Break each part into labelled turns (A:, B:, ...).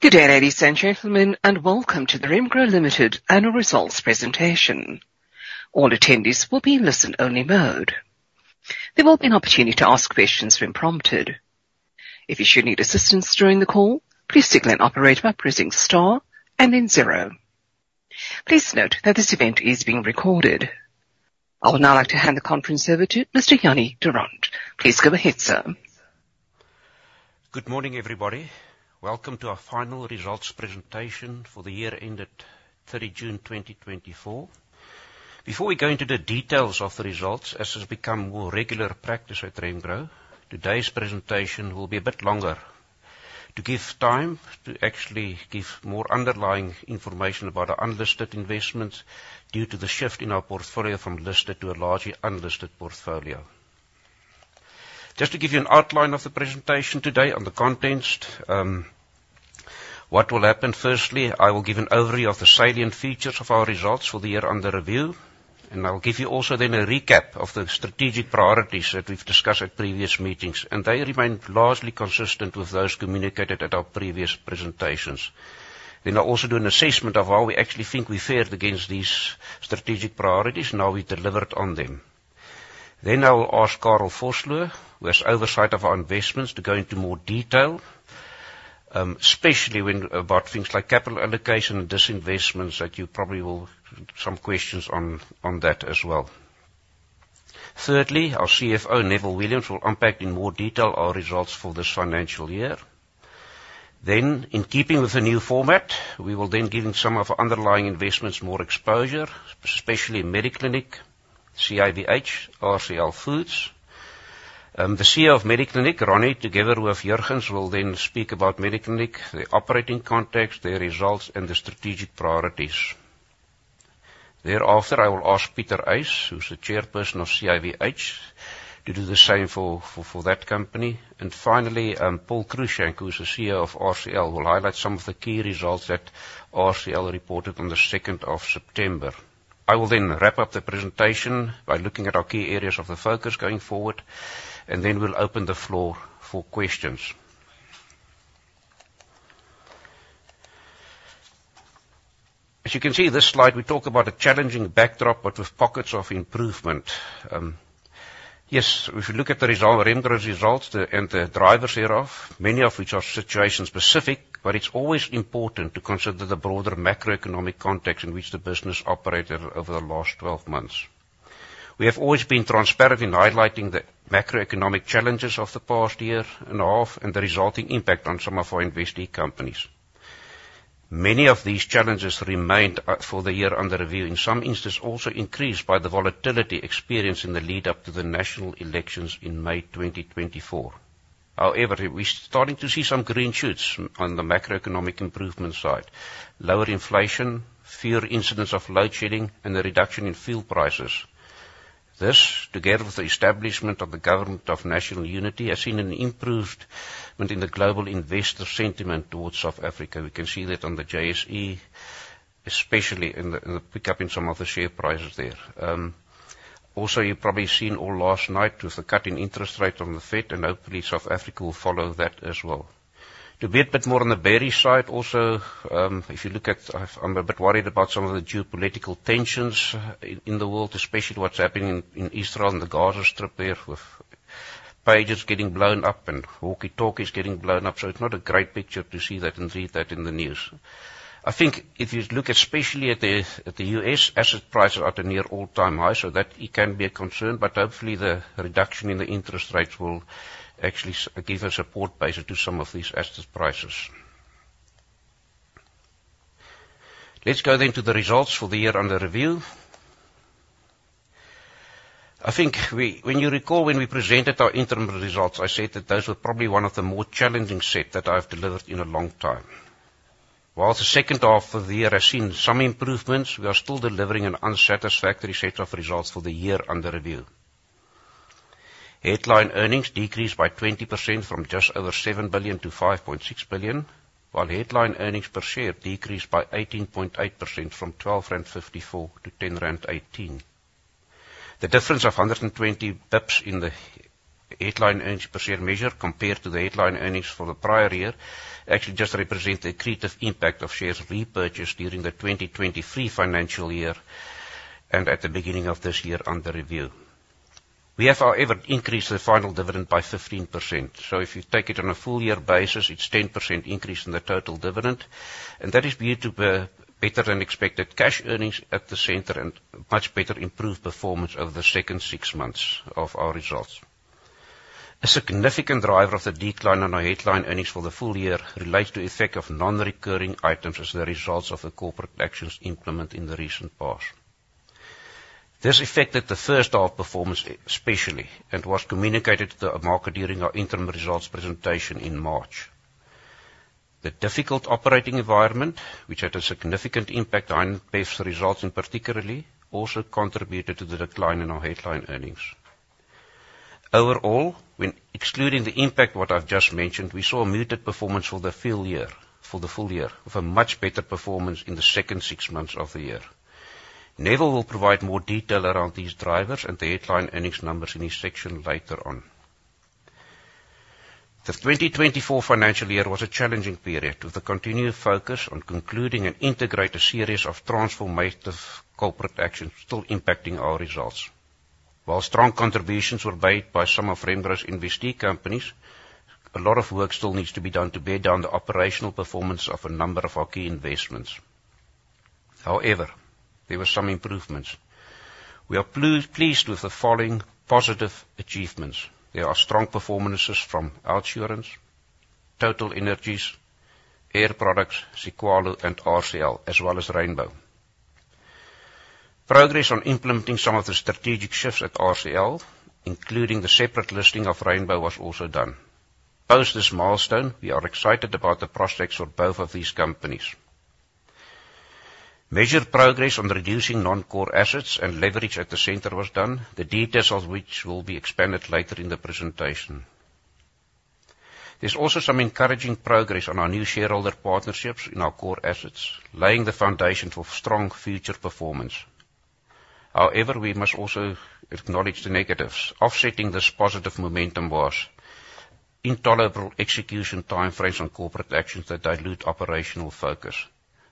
A: Good day, ladies and gentlemen, and welcome to the Remgro Limited Annual Results presentation. All attendees will be in listen-only mode. There will be an opportunity to Ask'd questions when prompted. If you should need assistance during the call, please signal an operator by pressing star and then zero. Please note that this event is being recorded. I would now like to hand the conference over to Mr. Jannie Durand. Please go ahead, sir.
B: Good morning, everybody. Welcome to our final results presentation for the year ended thirty June, twenty twenty-four. Before we go into the details of the results, as has become more regular practice at Remgro, today's presentation will be a bit longer to give time to actually give more underlying information about our unlisted investments due to the shift in our portfolio from listed to a largely unlisted portfolio. Just to give you an outline of the presentation today on the contents, what will happen? Firstly, I will give an overview of the salient features of our results for the year under review, and I'll give you also then a recap of the strategic priorities that we've discussed at previous meetings, and they remain largely consistent with those communicated at our previous presentations. Then I'll also do an assessment of how we actually think we fared against these strategic priorities and how we delivered on them. Then I will ask Carel Vosloo, who has oversight of our investments, to go into more detail, especially about things like capital allocation and disinvestment, that you probably will have some questions on that as well. Thirdly, our CFO, Neville Williams, will unpack in more detail our results for this financial year. Then, in keeping with the new format, we will then give some of our underlying investments more exposure, especially Mediclinic, CIVH, RCL Foods. The CEO of Mediclinic, Ronnie, together with Jurgens, will then speak about Mediclinic, the operating context, their results, and the strategic priorities. Thereafter, I will ask Pieter Uys, who's the chairperson of CIVH, to do the same for that company. Finally, Paul Cruickshank, who's the CEO of RCL, will highlight some of the key results that RCL reported on the second of September. I will then wrap up the presentation by looking at our key areas of the focus going forward, and then we'll open the floor for questions. As you can see, this slide, we talk about a challenging backdrop, but with pockets of improvement. Yes, if you look at the result, Remgro's results, and the drivers hereof, many of which are situation-specific, but it's always important to consider the broader macroeconomic context in which the business operated over the last twelve months. We have always been transparent in highlighting the macroeconomic challenges of the past year and a half and the resulting impact on some of our investee companies. Many of these challenges remained for the year under review. In some instances, also increased by the volatility experienced in the lead-up to the national elections in May twenty twenty-four. However, we're starting to see some green shoots on the macroeconomic improvement side: lower inflation, fewer incidents of load shedding, and a reduction in fuel prices. This, together with the establishment of the Government of National Unity, has seen an improvement in the global investor sentiment towards South Africa. We can see that on the JSE, especially in the pick up in some of the share prices there. Also, you've probably seen all last night with the cut in interest rates from the Fed, and hopefully South Africa will follow that as well. To be a bit more on the bearish side, also, if you look at... I'm a bit worried about some of the geopolitical tensions in the world, especially what's happening in Israel and the Gaza Strip there, with pagers getting blown up and walkie-talkies getting blown up. So it's not a great picture to see that and read that in the news. I think if you look especially at the U.S., asset prices are at a near all-time high, so that it can be a concern, but hopefully, the reduction in the interest rates will actually give a support base to some of these asset prices. Let's go then to the results for the year under review. I think. When you recall, when we presented our interim results, I said that those were probably one of the more challenging set that I've delivered in a long time. While the second half of the year has seen some improvements, we are still delivering an unsatisfactory set of results for the year under review. Headline earnings decreased by 20% from just over 7 billion to 5.6 billion, while headline earnings per share decreased by 18.8% from 12.54 rand to 10.18 rand. The difference of 120 basis points in the headline earnings per share measure compared to the headline earnings for the prior year actually just represent the accretive impact of shares repurchased during the 2023 financial year and at the beginning of this year under review. We have, however, increased the final dividend by 15%, so if you take it on a full year basis, it's 10% increase in the total dividend, and that is due to better-than-expected cash earnings at the center and much better improved performance over the second six months of our results. A significant driver of the decline in our Headline Earnings for the full year relates to the effect of non-recurring items as a result of the corporate actions implemented in the recent past. This affected the first half performance especially, and was communicated to our market during our interim results presentation in March. The difficult operating environment, which had a significant impact on our results particularly, also contributed to the decline in our Headline Earnings. Overall, when excluding the impact, what I've just mentioned, we saw a muted performance for the full year.... for the full year, with a much better performance in the second six months of the year. Neville will provide more detail around these drivers and the headline earnings numbers in his section later on. The twenty-twenty-four financial year was a challenging period, with a continued focus on concluding an integrated series of transformative corporate actions still impacting our results. While strong contributions were made by some of Remgro's investee companies, a lot of work still needs to be done to bear down the operational performance of a number of our key investments. However, there were some improvements. We are pleased with the following positive achievements. There are strong performances from OUTsurance, TotalEnergies, Air Products, Siqalo, and RCL, as well as Rainbow. Progress on implementing some of the strategic shifts at RCL, including the separate listing of Rainbow, was also done. Post this milestone, we are excited about the prospects for both of these companies. Measured progress on reducing non-core assets and leverage at the center was done, the details of which will be expanded later in the presentation. There's also some encouraging progress on our new shareholder partnerships in our core assets, laying the foundations for strong future performance. However, we must also acknowledge the negatives. Offsetting this positive momentum was intolerable execution time frames on corporate actions that dilute operational focus.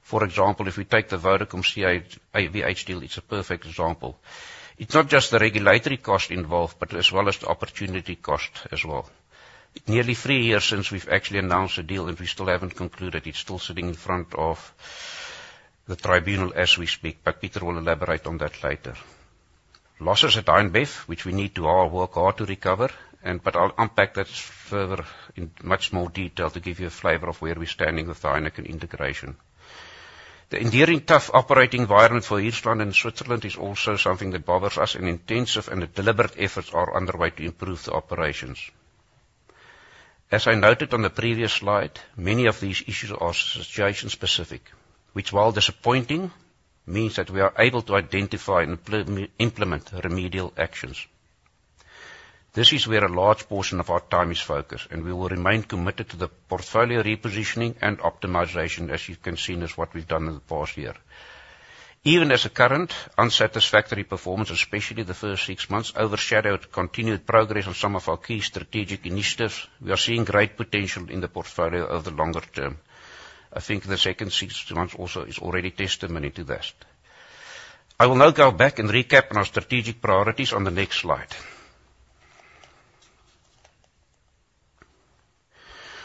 B: For example, if we take the Vodacom-CIVH deal, it's a perfect example. It's not just the regulatory cost involved, but as well as the opportunity cost as well. Nearly three years since we've actually announced the deal, and we still haven't concluded. It's still sitting in front of the tribunal as we speak, but Pieter will elaborate on that later. Losses at Heineken, which we need to all work hard to recover, and but I'll unpack that further in much more detail to give you a flavor of where we're standing with the Heineken integration. The enduring, tough operating environment for Hirslanden and Switzerland is also something that bothers us, and intensive and deliberate efforts are underway to improve the operations. As I noted on the previous slide, many of these issues are situation specific, which, while disappointing, means that we are able to identify and implement remedial actions. This is where a large portion of our time is focused, and we will remain committed to the portfolio repositioning and optimization, as you can see, is what we've done in the past year. Even as the current unsatisfactory performance, especially the first six months, overshadowed continued progress on some of our key strategic initiatives, we are seeing great potential in the portfolio over the longer term. I think the second six months also is already testimony to that. I will now go back and recap on our strategic priorities on the next slide.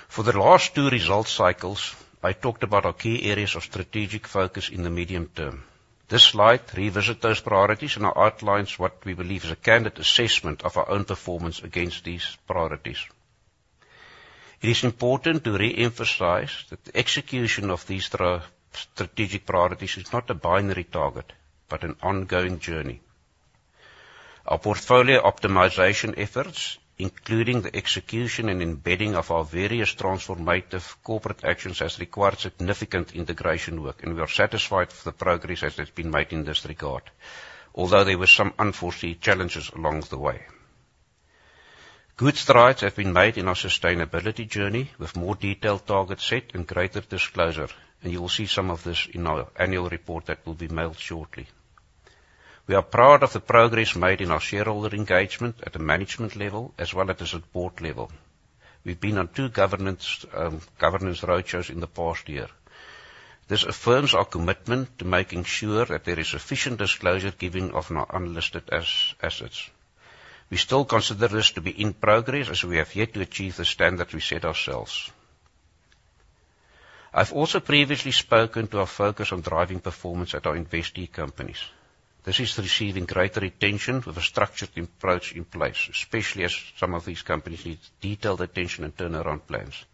B: For the last two result cycles, I talked about our key areas of strategic focus in the medium term. This slide revisits those priorities and outlines what we believe is a candid assessment of our own performance against these priorities. It is important to reemphasize that the execution of these strategic priorities is not a binary target, but an ongoing journey. Our portfolio optimization efforts, including the execution and embedding of our various transformative corporate actions, has required significant integration work, and we are satisfied with the progress that has been made in this regard, although there were some unforeseen challenges along the way. Good strides have been made in our sustainability journey, with more detailed targets set and greater disclosure, and you will see some of this in our annual report that will be mailed shortly. We are proud of the progress made in our shareholder engagement at a management level as well as at board level. We've been on two governance roadshows in the past year. This affirms our commitment to making sure that there is sufficient disclosure of our unlisted assets. We still consider this to be in progress, as we have yet to achieve the standards we set ourselves. I've also previously spoken to our focus on driving performance at our investee companies. This is receiving greater attention, with a structured approach in place, especially as some of these companies need detailed attention and turnaround plans.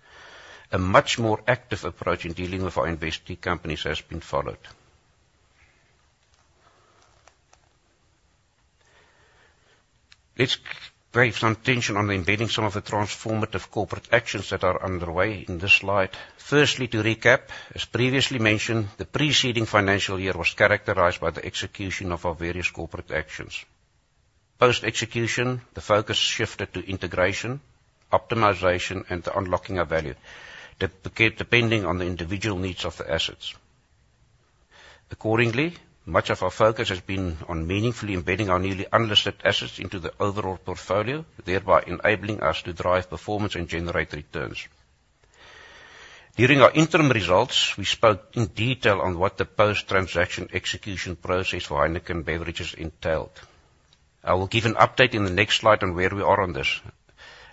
B: A much more active approach in dealing with our investee companies has been followed. Let's place some attention on embedding some of the transformative corporate actions that are underway in this slide. Firstly, to recap, as previously mentioned, the preceding financial year was characterized by the execution of our various corporate actions. Post-execution, the focus shifted to integration, optimization, and the unlocking of value, depending on the individual needs of the assets. Accordingly, much of our focus has been on meaningfully embedding our newly unlisted assets into the overall portfolio, thereby enabling us to drive performance and generate returns. During our interim results, we spoke in detail on what the post-transaction execution process for Heineken Beverages entailed. I will give an update in the next slide on where we are on this.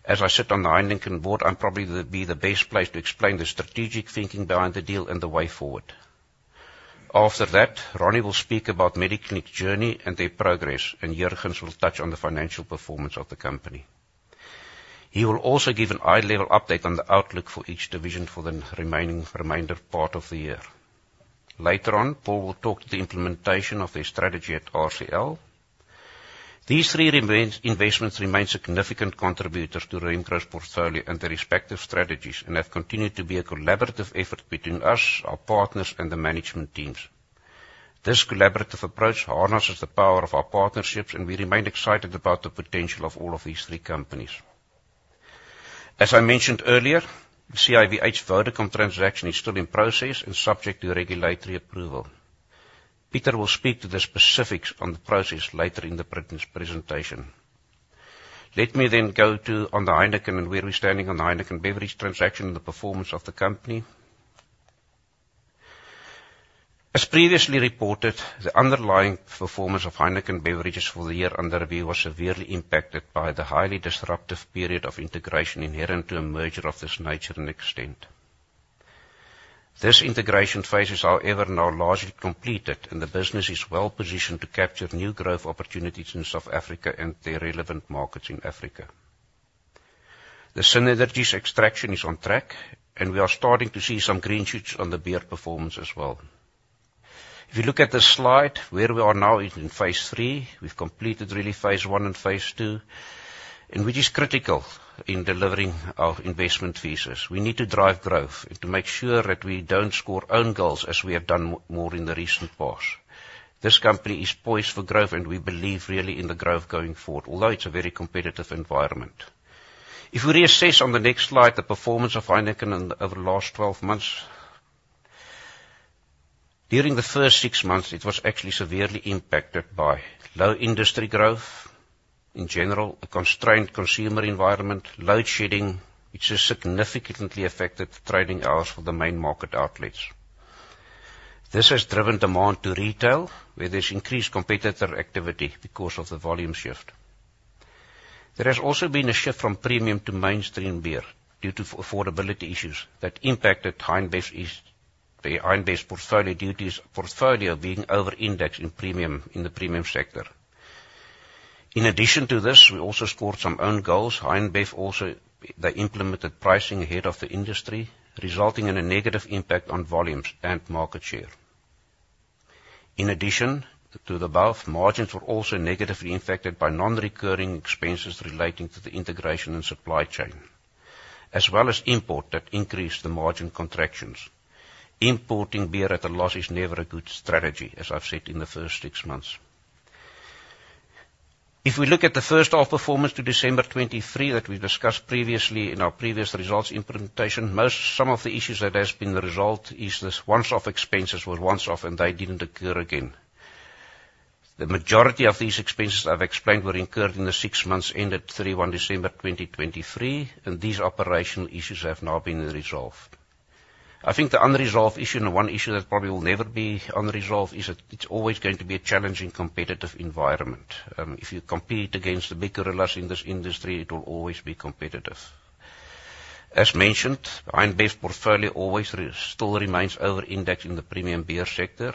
B: As I sit on the Heineken board, I'm probably the best placed to explain the strategic thinking behind the deal and the way forward. After that, Ronnie will speak about Mediclinic's journey and their progress, and Jurgens will touch on the financial performance of the company. He will also give a high-level update on the outlook for each division for the remainder part of the year. Later on, Paul will talk to the implementation of the strategy at RCL. These three investments remain significant contributors to Remgro's portfolio and their respective strategies and have continued to be a collaborative effort between us, our partners, and the management teams. This collaborative approach harnesses the power of our partnerships, and we remain excited about the potential of all of these three companies. As I mentioned earlier, the CIVH Vodacom transaction is still in process and subject to regulatory approval. Peter will speak to the specifics on the process later in the presentation. Let me then go on to the Heineken, and where we're standing on the Heineken Beverages transaction and the performance of the company. As previously reported, the underlying performance of Heineken Beverages for the year under review was severely impacted by the highly disruptive period of integration inherent to a merger of this nature and extent. This integration phase is, however, now largely completed, and the business is well-positioned to capture new growth opportunities in South Africa and the relevant markets in Africa. The synergies extraction is on track, and we are starting to see some green shoots on the beer performance as well. If you look at the slide, where we are now is in phase three. We've completed really phase one and phase two, and which is critical in delivering our investment thesis. We need to drive growth and to make sure that we don't score own goals as we have done more in the recent past. This company is poised for growth, and we believe, really, in the growth going forward, although it's a very competitive environment. If we reassess on the next slide, the performance of Heineken and over the last twelve months. During the first six months, it was actually severely impacted by low industry growth, in general, a constrained consumer environment, load shedding, which has significantly affected trading hours for the main market outlets. This has driven demand to retail, where there's increased competitor activity because of the volume shift. There has also been a shift from premium to mainstream beer due to affordability issues that impacted Heineken's... the Heineken portfolio due to its portfolio being over-indexed in premium, in the premium sector. In addition to this, we also scored some own goals. Heineken also, they implemented pricing ahead of the industry, resulting in a negative impact on volumes and market share. In addition to the above, margins were also negatively impacted by non-recurring expenses relating to the integration and supply chain, as well as import that increased the margin contractions. Importing beer at a loss is never a good strategy, as I've said in the first six months. If we look at the first half performance to December 2023, that we discussed previously in our previous results presentation, most of the issues that has been resolved is this once-off expenses were once-off, and they didn't occur again. The majority of these expenses, I've explained, were incurred in the six months ended 31 December 2023, and these operational issues have now been resolved. I think the unresolved issue, and one issue that probably will never be unresolved, is that it's always going to be a challenging, competitive environment. If you compete against the big gorillas in this industry, it will always be competitive. As mentioned, Heineken's portfolio always still remains over-indexed in the premium beer sector.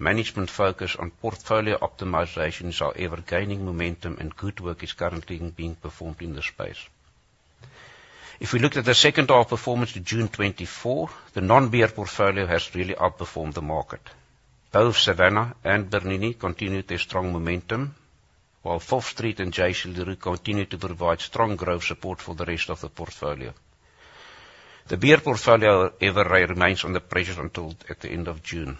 B: Management focus on portfolio optimization is, however, gaining momentum, and good work is currently being performed in this space. If we look at the second half performance to June 2024, the non-beer portfolio has really outperformed the market. Both Savanna and Bernini continued their strong momentum, while Fourth Street and J.C. Le Roux continue to provide strong growth support for the rest of the portfolio. The beer portfolio, however, remains under pressure until at the end of June.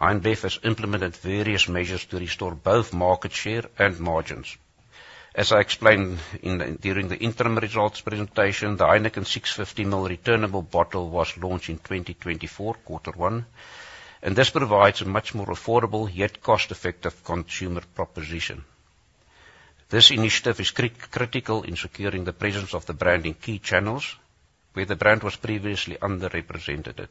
B: Heineken has implemented various measures to restore both market share and margins. As I explained, during the interim results presentation, the Heineken 650 ml returnable bottle was launched in 2024, quarter one, and this provides a much more affordable, yet cost-effective consumer proposition. This initiative is critical in securing the presence of the brand in key channels where the brand was previously underrepresented.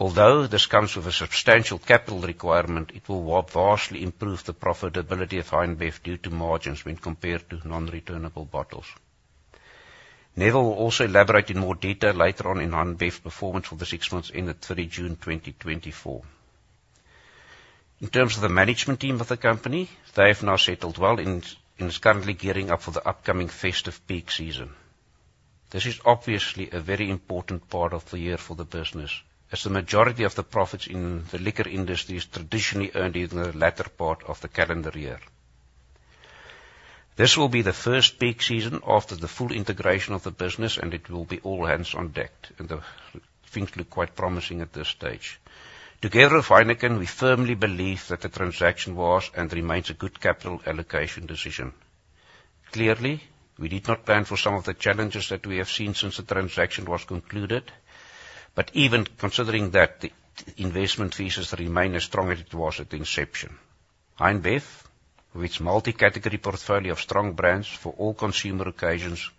B: Although this comes with a substantial capital requirement, it will vastly improve the profitability of Heineken due to margins when compared to non-returnable bottles. Neville will also elaborate in more detail later on in Heineken's performance for the six months ended 30 June 2024. In terms of the management team of the company, they have now settled well and is currently gearing up for the upcoming festive peak season. This is obviously a very important part of the year for the business, as the majority of the profits in the liquor industry is traditionally earned in the latter part of the calendar year. This will be the first peak season after the full integration of the business, and it will be all hands on deck, and the things look quite promising at this stage. Together with Heineken, we firmly believe that the transaction was and remains a good capital allocation decision. Clearly, we did not plan for some of the challenges that we have seen since the transaction was concluded, but even considering that, the investment thesis remain as strong as it was at inception. Heineken, with its multi-category portfolio of strong brands for all consumer occasions,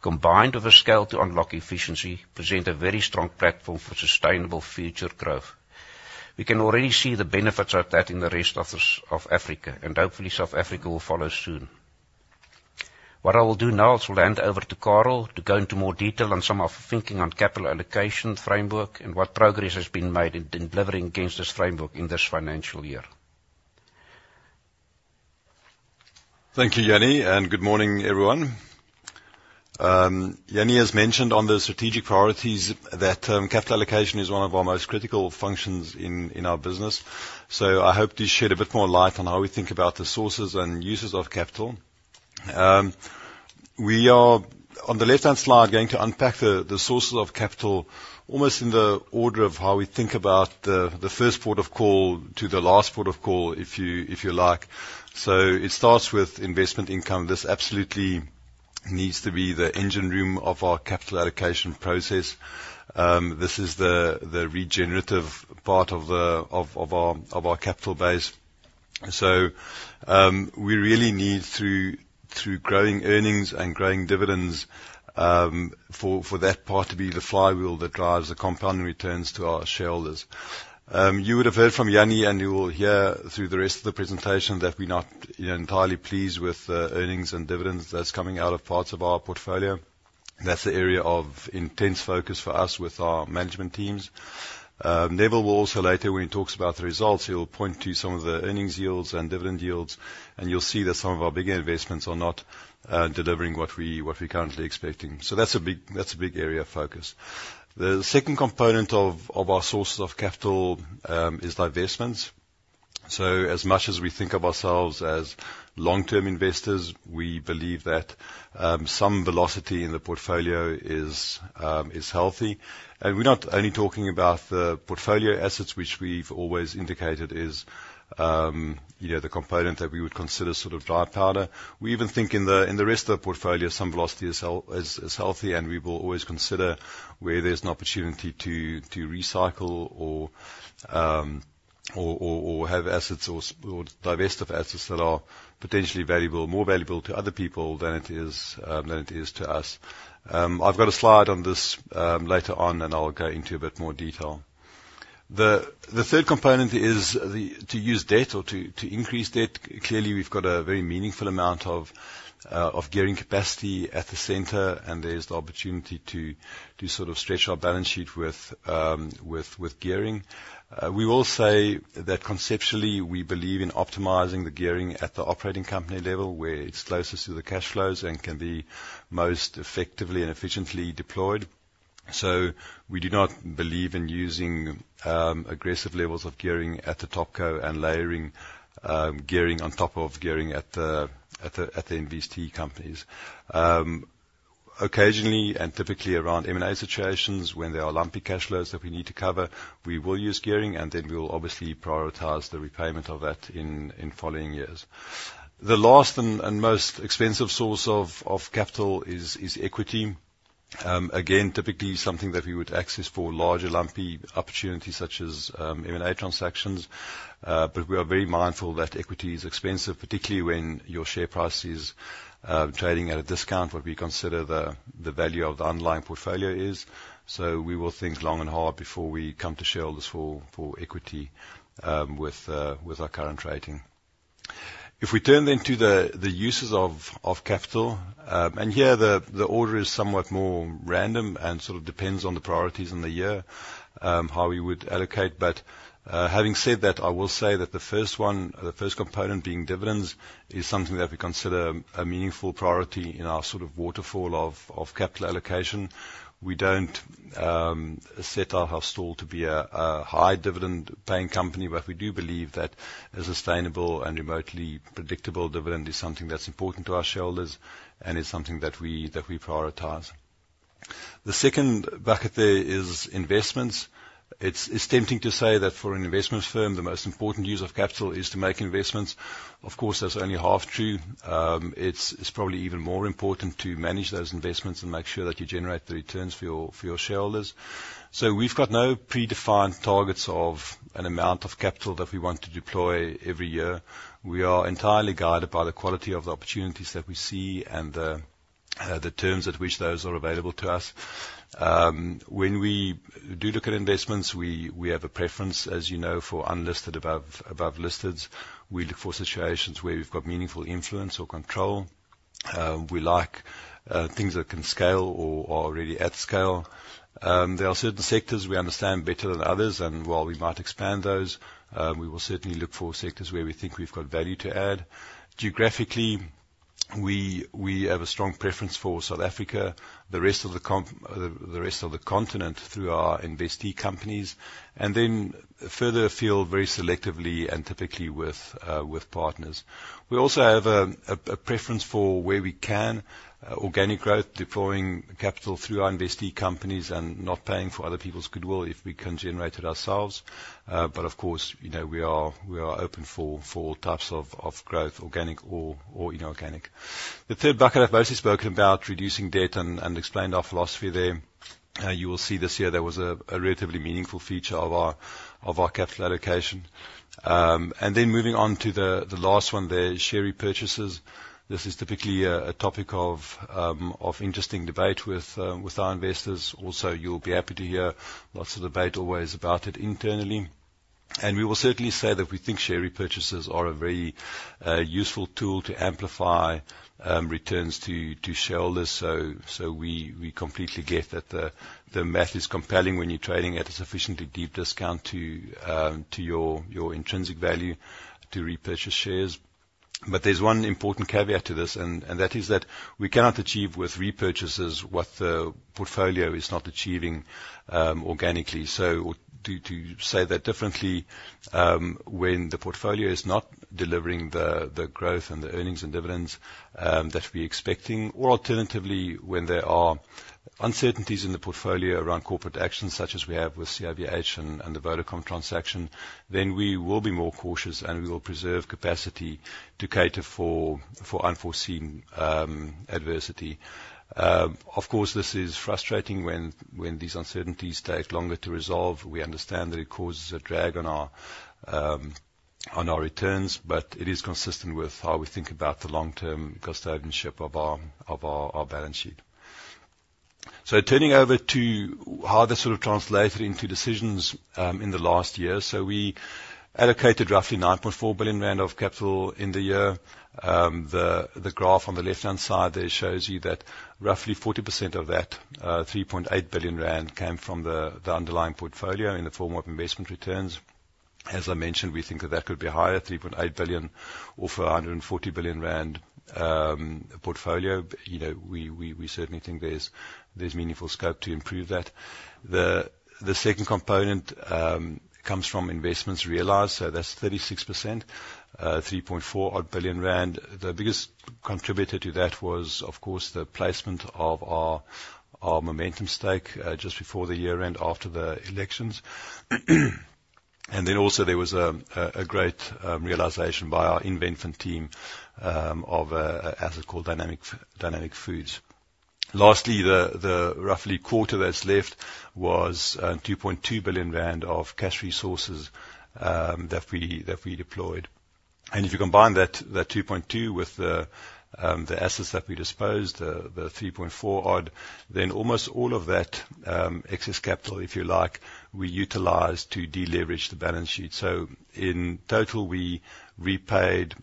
B: combined with the scale to unlock efficiency, present a very strong platform for sustainable future growth. We can already see the benefits of that in the rest of Africa, and hopefully South Africa will follow soon. What I will do now is I'll hand over to Carel to go into more detail on some of the thinking on capital allocation framework and what progress has been made in delivering against this framework in this financial year.
C: Thank you, Jannie, and good morning, everyone. Jannie has mentioned on the strategic priorities that, capital allocation is one of our most critical functions in our business, so I hope to shed a bit more light on how we think about the sources and uses of capital. We are, on the left-hand side, going to unpack the sources of capital almost in the order of how we think about the first port of call to the last port of call, if you like, so it starts with investment income. This absolutely needs to be the engine room of our capital allocation process. This is the regenerative part of our capital base. So, we really need, through growing earnings and growing dividends, for that part to be the flywheel that drives the compound returns to our shareholders. You would have heard from Jannie, and you will hear through the rest of the presentation, that we're not, you know, entirely pleased with the earnings and dividends that's coming out of parts of our portfolio. That's the area of intense focus for us with our management teams. Neville will also later, when he talks about the results, he will point to some of the earnings yields and dividend yields, and you'll see that some of our bigger investments are not delivering what we're currently expecting. So that's a big area of focus. The second component of our sources of capital is divestments. As much as we think of ourselves as long-term investors, we believe that some velocity in the portfolio is healthy. And we're not only talking about the portfolio assets, which we've always indicated is you know the component that we would consider sort of dry powder. We even think in the rest of the portfolio, some velocity is healthy, and we will always consider where there's an opportunity to recycle or have assets or divest of assets that are potentially valuable, more valuable to other people than it is to us. I've got a slide on this later on, and I'll go into a bit more detail. The third component is to use debt or to increase debt. Clearly, we've got a very meaningful amount of gearing capacity at the center, and there's the opportunity to sort of stretch our balance sheet with gearing. We will say that conceptually, we believe in optimizing the gearing at the operating company level, where it's closest to the cash flows and can be most effectively and efficiently deployed. So we do not believe in using aggressive levels of gearing at the top co and layering gearing on top of gearing at the investee companies. Occasionally, and typically around M&A situations, when there are lumpy cash flows that we need to cover, we will use gearing, and then we will obviously prioritize the repayment of that in following years. The last and most expensive source of capital is equity. Again, typically something that we would access for larger, lumpy opportunities such as M&A transactions. But we are very mindful that equity is expensive, particularly when your share price is trading at a discount, what we consider the value of the underlying portfolio is. So we will think long and hard before we come to shareholders for equity with our current rating. If we turn then to the uses of capital, and here, the order is somewhat more random and sort of depends on the priorities in the year how we would allocate. But having said that, I will say that the first one, the first component being dividends, is something that we consider a meaningful priority in our sort of waterfall of capital allocation. We don't set out our stall to be a high dividend-paying company, but we do believe that a sustainable and remotely predictable dividend is something that's important to our shareholders and is something that we prioritize. The second bucket there is investments. It's tempting to say that for an investment firm, the most important use of capital is to make investments. Of course, that's only half true. It's probably even more important to manage those investments and make sure that you generate the returns for your shareholders. So we've got no predefined targets of an amount of capital that we want to deploy every year. We are entirely guided by the quality of the opportunities that we see and the terms at which those are available to us. When we do look at investments, we have a preference, as you know, for unlisted above listeds. We look for situations where we've got meaningful influence or control. We like things that can scale or are already at scale. There are certain sectors we understand better than others, and while we might expand those, we will certainly look for sectors where we think we've got value to add. Geographically, we have a strong preference for South Africa, the rest of the continent, through our investee companies, and then further afield, very selectively and typically with partners. We also have a preference for where we can organic growth, deploying capital through our investee companies and not paying for other people's goodwill if we can generate it ourselves. But of course, you know, we are open for types of growth, organic or inorganic. The third bucket, I've mostly spoken about reducing debt and explained our philosophy there. You will see this year there was a relatively meaningful feature of our capital allocation. And then moving on to the last one there, share repurchases. This is typically a topic of interesting debate with our investors. Also, you'll be happy to hear lots of debate always about it internally. And we will certainly say that we think share repurchases are a very useful tool to amplify returns to shareholders. So we completely get that the math is compelling when you're trading at a sufficiently deep discount to your intrinsic value to repurchase shares.... But there's one important caveat to this, and that is that we cannot achieve with repurchases what the portfolio is not achieving organically. So to say that differently, when the portfolio is not delivering the growth and the earnings and dividends that we're expecting, or alternatively, when there are uncertainties in the portfolio around corporate actions such as we have with CIVH and the Vodacom transaction, then we will be more cautious, and we will preserve capacity to cater for unforeseen adversity. Of course, this is frustrating when these uncertainties take longer to resolve. We understand that it causes a drag on our returns, but it is consistent with how we think about the long-term custodianship of our balance sheet. Turning over to how this sort of translated into decisions in the last year. We allocated roughly 9.4 billion rand of capital in the year. The graph on the left-hand side there shows you that roughly 40% of that, 3.8 billion rand, came from the underlying portfolio in the form of investment returns. As I mentioned, we think that that could be higher, 3.8 billion for a 140 billion rand portfolio. You know, we certainly think there's meaningful scope to improve that. The second component comes from investments realized, so that's 36%, 3.4 billion rand. The biggest contributor to that was, of course, the placement of our Momentum stake just before the year-end, after the elections. And then also there was a great realization by our investment team of an asset called Dynamic Foods. Lastly, the roughly quarter that's left was 2.2 billion rand of cash resources that we deployed. And if you combine that, the 2.2, with the assets that we disposed, the 3.4 odd, then almost all of that excess capital, if you like, we utilized to deleverage the balance sheet. So in total, we repaid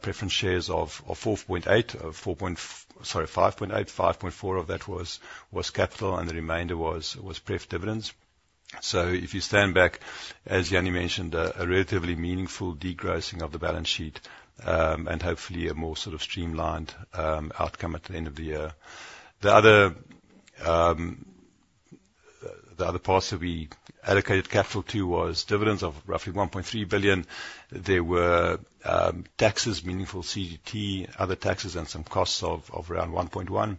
C: preference shares of 4.8, 4 point... Sorry, 5.8. 5.4 of that was capital, and the remainder was pref dividends. If you stand back, as Jannie mentioned, a relatively meaningful degrossing of the balance sheet, and hopefully a more sort of streamlined outcome at the end of the year. The other parts that we allocated capital to was dividends of roughly 1.3 billion. There were taxes, meaningful CGT, other taxes, and some costs of around 1.1,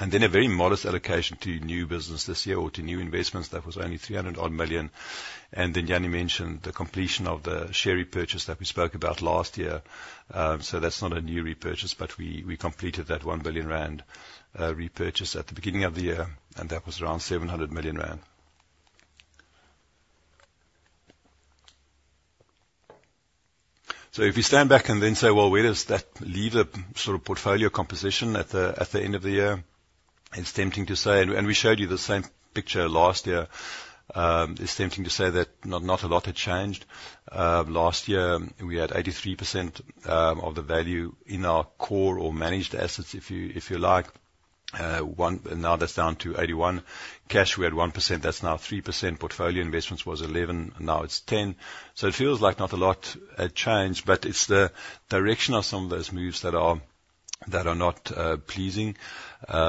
C: and then a very modest allocation to new business this year or to new investments. That was only 300 odd million. And then Jannie mentioned the completion of the share repurchase that we spoke about last year. So that's not a new repurchase, but we completed that 1 billion rand repurchase at the beginning of the year, and that was around 700 million rand. So if you stand back and then say, well, where does that leave the sort of portfolio composition at the, at the end of the year? It's tempting to say, and we showed you the same picture last year. It's tempting to say that not a lot had changed. Last year, we had 83% of the value in our core or managed assets, if you like. Now that's down to 81%. Cash, we had 1%. That's now 3%. Portfolio investments was 11, now it's 10. So it feels like not a lot had changed, but it's the direction of some of those moves that are not pleasing.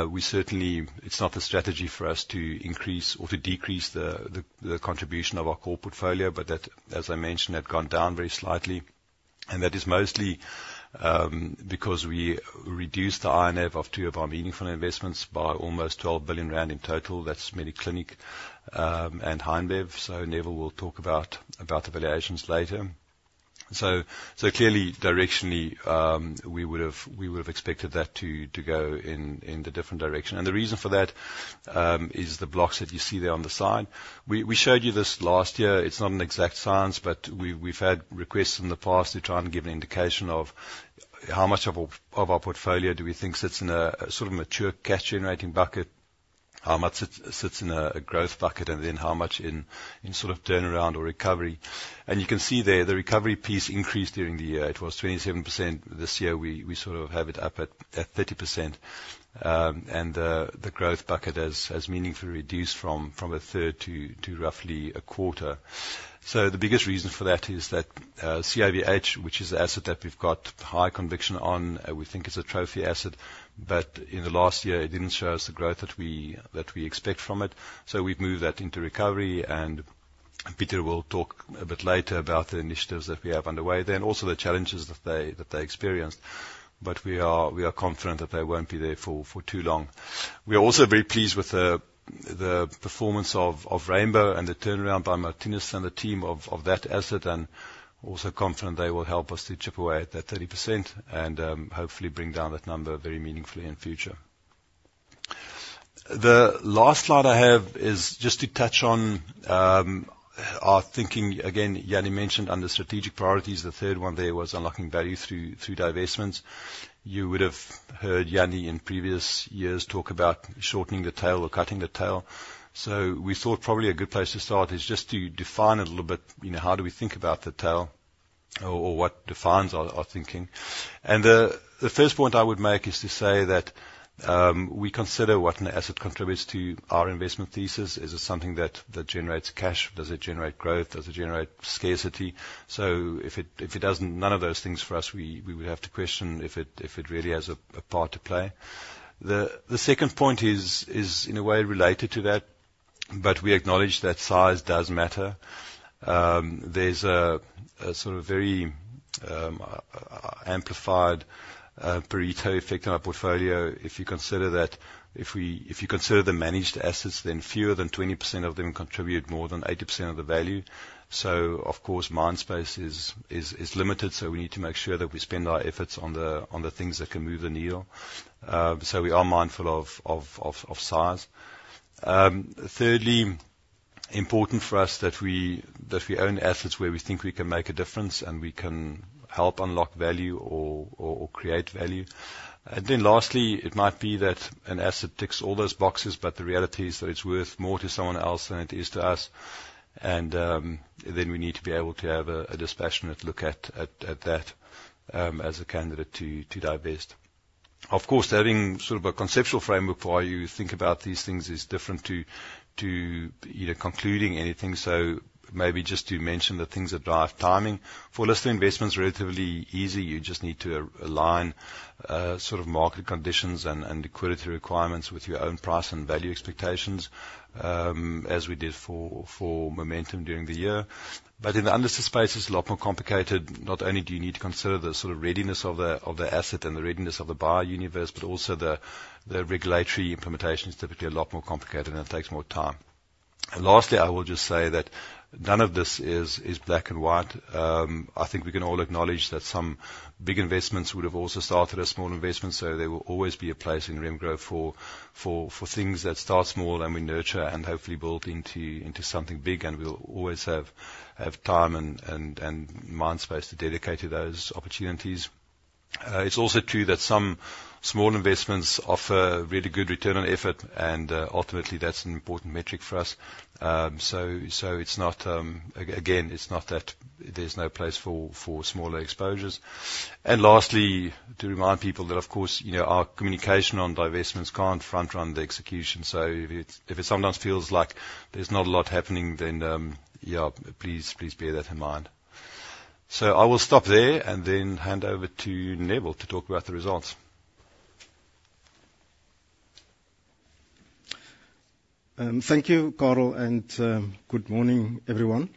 C: We certainly... It's not the strategy for us to increase or to decrease the contribution of our core portfolio, but that, as I mentioned, had gone down very slightly. And that is mostly because we reduced the INAV of two of our meaningful investments by almost 12 billion rand in total. That's Mediclinic and HeinBev. So Neville will talk about the valuations later. So clearly, directionally, we would have expected that to go in a different direction. And the reason for that is the blocks that you see there on the side. We showed you this last year. It's not an exact science, but we've had requests from the past to try and give an indication of how much of our portfolio do we think sits in a sort of mature cash-generating bucket, how much sits in a growth bucket, and then how much in sort of turnaround or recovery. And you can see there, the recovery piece increased during the year. It was 27%. This year, we sort of have it up at 30%. And the growth bucket has meaningfully reduced from a third to roughly a quarter. So the biggest reason for that is that, CIVH, which is the asset that we've got high conviction on, we think is a trophy asset, but in the last year, it didn't show us the growth that we expect from it. So we've moved that into recovery, and Peter will talk a bit later about the initiatives that we have underway there, and also the challenges that they experienced. But we are confident that they won't be there for too long. We are also very pleased with the performance of Rainbow and the turnaround by Marthinus and the team of that asset, and also confident they will help us to chip away at that 30% and, hopefully bring down that number very meaningfully in future. The last slide I have is just to touch on, our thinking. Again, Jannie mentioned under strategic priorities, the third one there was unlocking value through, through divestments. You would have heard Jannie in previous years talk about shortening the tail or cutting the tail. So we thought probably a good place to start is just to define a little bit, you know, how do we think about the tail? Or what defines our, our thinking. And the, the first point I would make is to say that, we consider what an asset contributes to our investment thesis. Is it something that, that generates cash? Does it generate growth? Does it generate scarcity? So if it, if it doesn't none of those things for us, we, we would have to question if it, if it really has a, a part to play. The second point is in a way related to that, but we acknowledge that size does matter. There's a sort of very amplified Pareto effect on our portfolio. If you consider the managed assets, then fewer than 20% of them contribute more than 80% of the value. So of course, mind space is limited, so we need to make sure that we spend our efforts on the things that can move the needle. So we are mindful of size. Thirdly, important for us that we own assets where we think we can make a difference, and we can help unlock value or create value. And then lastly, it might be that an asset ticks all those boxes, but the reality is that it's worth more to someone else than it is to us, and then we need to be able to have a dispassionate look at that as a candidate to divest. Of course, having sort of a conceptual framework for how you think about these things is different to either concluding anything. So maybe just to mention the things that drive timing. For listing investments, relatively easy, you just need to align sort of market conditions and liquidity requirements with your own price and value expectations, as we did for Momentum during the year. But in the unlisted space, it's a lot more complicated. Not only do you need to consider the sort of readiness of the asset and the readiness of the buyer universe, but also the regulatory implementation is typically a lot more complicated, and it takes more time. Lastly, I will just say that none of this is black and white. I think we can all acknowledge that some big investments would have also started as small investments, so there will always be a place in Remgro for things that start small, and we nurture and hopefully build into something big, and we'll always have time and mind space to dedicate to those opportunities. It's also true that some small investments offer really good return on effort, and ultimately, that's an important metric for us. So it's not again, it's not that there's no place for smaller exposures. And lastly, to remind people that, of course, you know, our communication on divestments can't front run the execution. So if it sometimes feels like there's not a lot happening, then, yeah, please bear that in mind. So I will stop there and then hand over to Neville to talk about the results.
D: Thank you, Carel, and good morning, everyone.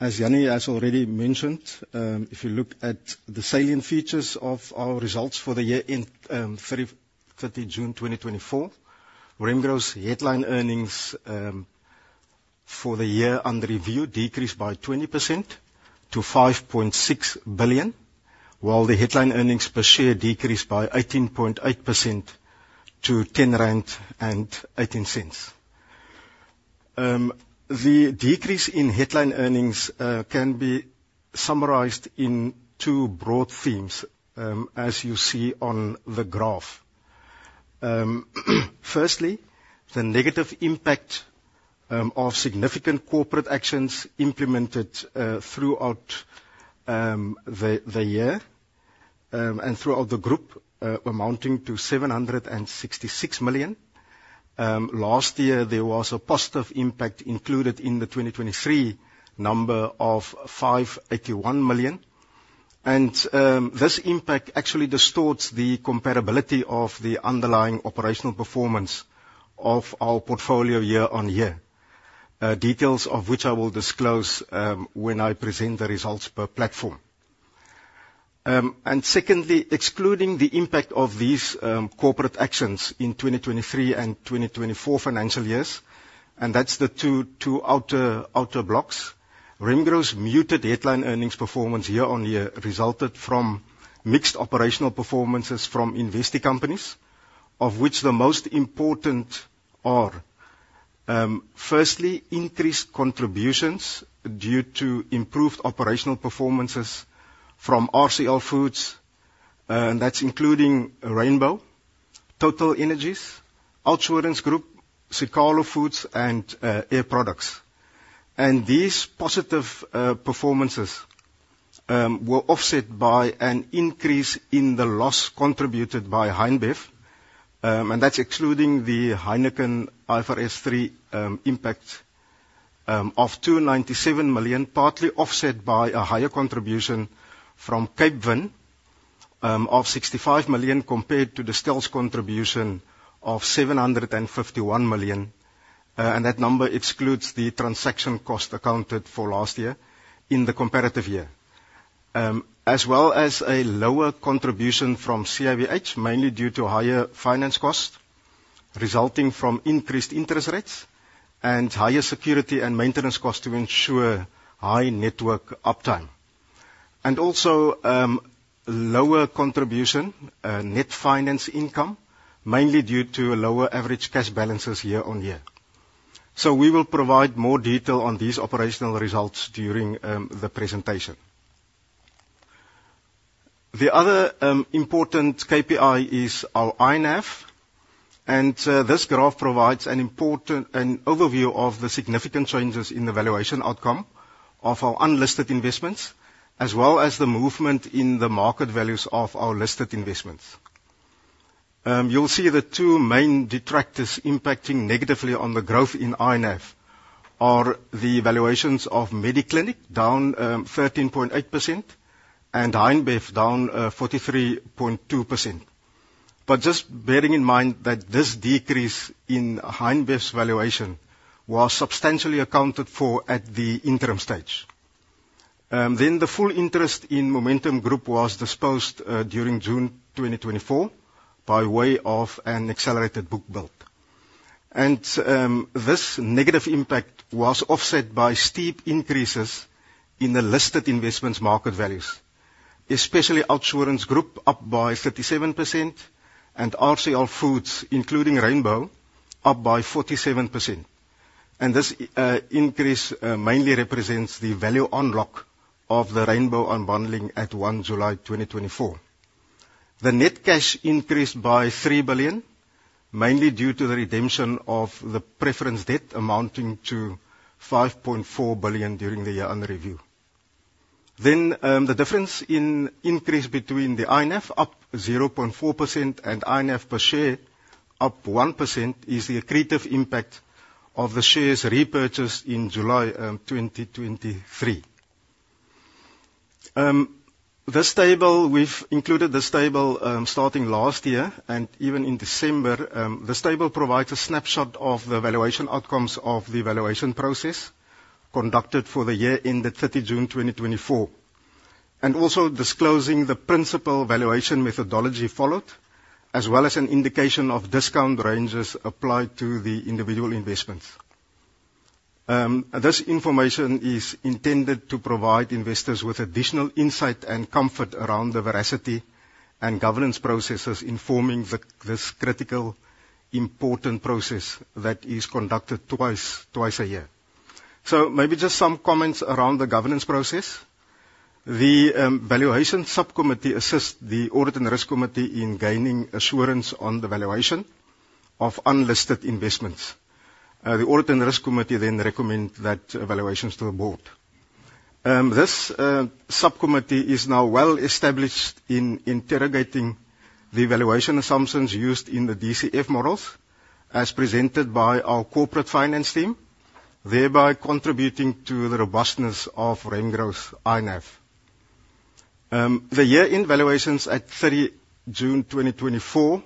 D: As Jannie has already mentioned, if you look at the salient features of our results for the year end 30 June 2024, Remgro's headline earnings for the year under review decreased by 20% to 5.6 billion, while the headline earnings per share decreased by 18.8% to 10.18 rand. The decrease in headline earnings can be summarized in two broad themes, as you see on the graph. Firstly, the negative impact of significant corporate actions implemented throughout the year and throughout the group amounting to 766 million. Last year, there was a positive impact included in the 2023 number of 581 million. This impact actually distorts the comparability of the underlying operational performance of our portfolio year on year. Details of which I will disclose, when I present the results per platform. Secondly, excluding the impact of these, corporate actions in 2023 and 2024 financial years, and that's the two outer blocks. Remgro's muted headline earnings performance year on year resulted from mixed operational performances from investee companies, of which the most important are, firstly, increased contributions due to improved operational performances from RCL Foods, and that's including Rainbow, Total Energies, Outsurance Group, Siqalo Foods, and, Air Products. These positive performances were offset by an increase in the loss contributed by HeinBev, and that's excluding the Heineken IFRS 3 impact of 297 million, partly offset by a higher contribution from Cape Wine of 65 million, compared to Distell's contribution of 751 million. That number excludes the transaction cost accounted for last year in the comparative year, as well as a lower contribution from CIVH, mainly due to higher finance costs, resulting from increased interest rates and higher security and maintenance costs to ensure high network uptime. Also, lower contribution net finance income, mainly due to lower average cash balances year on year. We will provide more detail on these operational results during the presentation. The other important KPI is our INAV, and this graph provides an important overview of the significant changes in the valuation outcome of our unlisted investments, as well as the movement in the market values of our listed investments. You'll see the two main detractors impacting negatively on the growth in INAV are the valuations of Mediclinic, down 13.8%, and HeinBev, down 43.2%. But just bearing in mind that this decrease in HeinBev's valuation was substantially accounted for at the interim stage. Then the full interest in Momentum Group was disposed during June 2024, by way of an accelerated book build. This negative impact was offset by steep increases in the listed investments market values, especially OUTsurance Group, up by 37%, and RCL Foods, including Rainbow, up by 47%. And this increase mainly represents the value unlock of the Rainbow unbundling at one July 2024. The net cash increased by 3 billion, mainly due to the redemption of the preference debt, amounting to 5.4 billion during the year under review. Then, the difference in increase between the INAV, up 0.4%, and INAV per share, up 1%, is the accretive impact of the shares repurchased in July 2023. This table we've included starting last year and even in December. This table provides a snapshot of the valuation outcomes of the valuation process conducted for the year ended 30 June 2024, and also disclosing the principal valuation methodology followed, as well as an indication of discount ranges applied to the individual investments. This information is intended to provide investors with additional insight and comfort around the veracity and governance processes informing this critical, important process that is conducted twice a year. So maybe just some comments around the governance process. The valuation subcommittee assists the audit and risk committee in gaining assurance on the valuation of unlisted investments. The audit and risk committee then recommend that valuations to the board. This subcommittee is now well-established in interrogating the valuation assumptions used in the DCF models, as presented by our corporate finance team, thereby contributing to the robustness of Remgro's INAV. The year-end valuations at 30 June 2024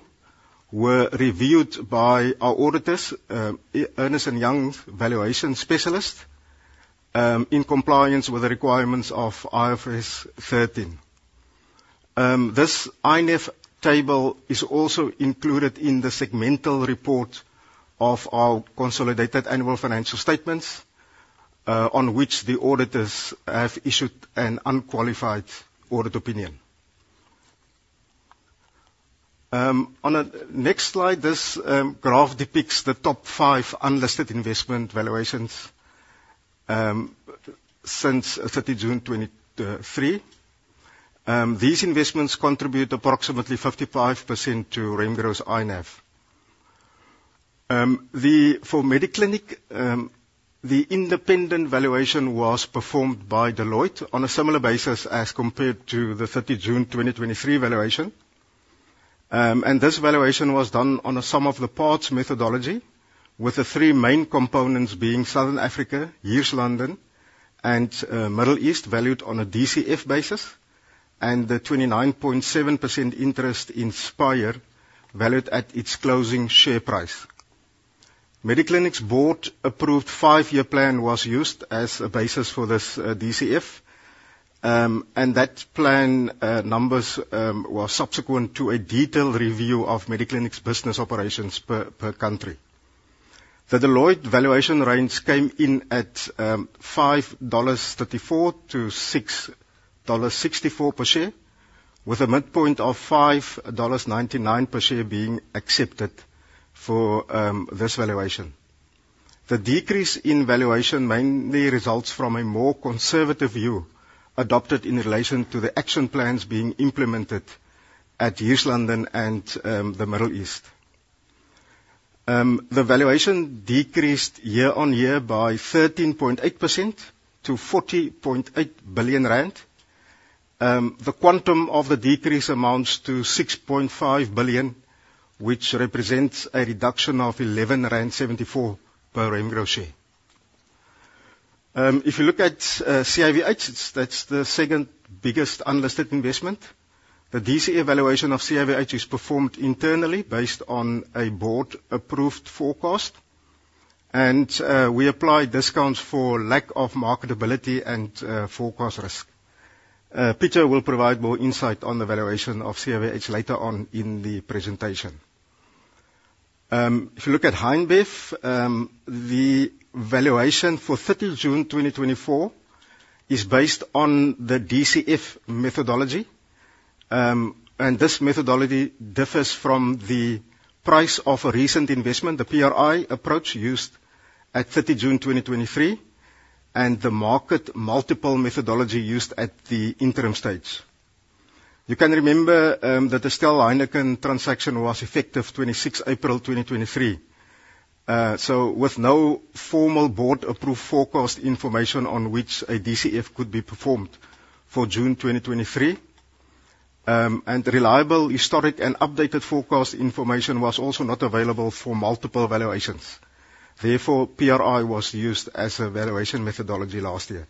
D: were reviewed by our auditors, Ernst & Young valuation specialist, in compliance with the requirements of IFRS 13. This INAV table is also included in the segmental report of our consolidated annual financial statements, on which the auditors have issued an unqualified audit opinion. On a next slide, this graph depicts the top five unlisted investment valuations since 30 June 2023. These investments contribute approximately 55% to Remgro's INAV. For Mediclinic, the independent valuation was performed by Deloitte on a similar basis as compared to the 30 June 2023 valuation. This valuation was done on a sum of the parts methodology, with the three main components being Southern Africa, Hirslanden, and Middle East, valued on a DCF basis, and the 29.7% interest in Spire, valued at its closing share price. Mediclinic's board-approved five-year plan was used as a basis for this DCF. That plan numbers were subsequent to a detailed review of Mediclinic's business operations per country. The Deloitte valuation range came in at $5.34-$6.64 per share, with a midpoint of $5.99 per share being accepted for this valuation. The decrease in valuation mainly results from a more conservative view adopted in relation to the action plans being implemented at Hirslanden and the Middle East. The valuation decreased year on year by 13.8% to 40.8 billion rand. The quantum of the decrease amounts to 6.5 billion, which represents a reduction of 11.74 rand per share. If you look at CIVH, it's the second biggest unlisted investment. The DCF evaluation of CIVH is performed internally, based on a board-approved forecast, and we apply discounts for lack of marketability and forecast risk. Pieter will provide more insight on the valuation of CIVH later on in the presentation. If you look at HeinBev, the valuation for 30 June 2024 is based on the DCF methodology. This methodology differs from the price of a recent investment, the PRI approach, used at 30 June 2023, and the market multiple methodology used at the interim stage. You can remember that the Distell Heineken transaction was effective 26 April 2023. With no formal board-approved forecast information on which a DCF could be performed for June 2023, and reliable historic and updated forecast information was also not available for multiple valuations. Therefore, PRI was used as a valuation methodology last year.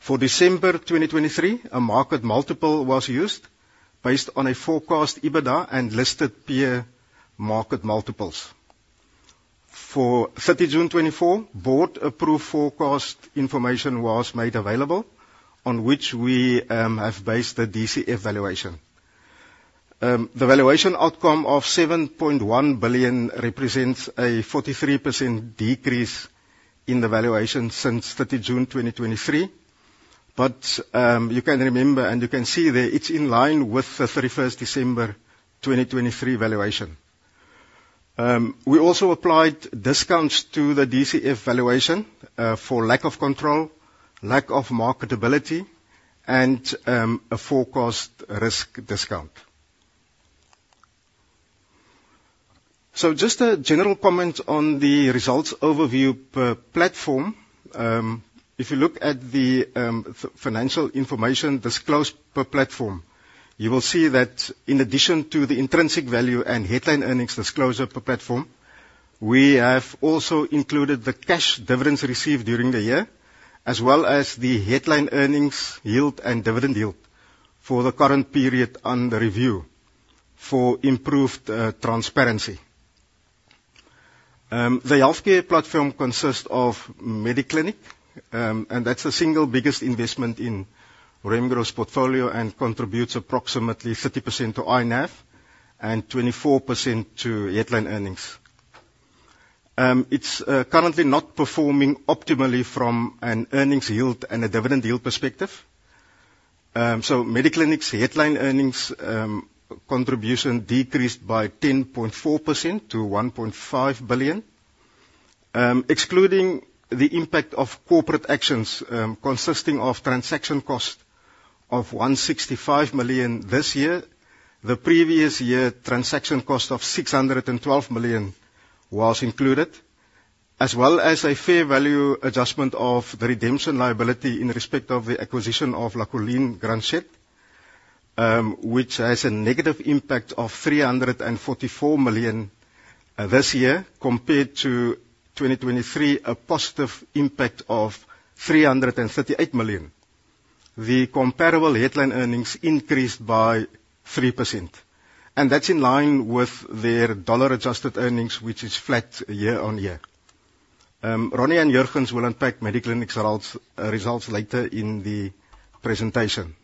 D: For December 2023, a market multiple was used based on a forecast EBITDA and listed peer market multiples. For 30 June 2024, board-approved forecast information was made available, on which we have based the DCF valuation. The valuation outcome of 7.1 billion represents a 43% decrease in the valuation since 30 June 2023. But you can remember, and you can see that it's in line with the 31 December 2023 valuation. We also applied discounts to the DCF valuation for lack of control, lack of marketability, and a forecast risk discount. So just a general comment on the results overview per platform. If you look at the financial information disclosed per platform, you will see that in addition to the intrinsic value and headline earnings disclosure per platform, we have also included the cash dividends received during the year, as well as the headline earnings yield and dividend yield for the current period under review for improved transparency. The healthcare platform consists of Mediclinic, and that's the single biggest investment in Remgro's portfolio and contributes approximately 30% to INAV and 24% to headline earnings. It's currently not performing optimally from an earnings yield and a dividend yield perspective. So Mediclinic's headline earnings contribution decreased by 10.4% to R1.5 billion. Excluding the impact of corporate actions, consisting of transaction costs of R165 million this year. The previous year, transaction cost of $612 million was included, as well as a fair value adjustment of the redemption liability in respect of the acquisition of La Colline Grangettes, which has a negative impact of $344 million, this year, compared to 2023, a positive impact of $338 million. The comparable headline earnings increased by 3%, and that's in line with their dollar-adjusted earnings, which is flat year on year. Ronnie and Jurgens will unpack Mediclinic's results later in the presentation.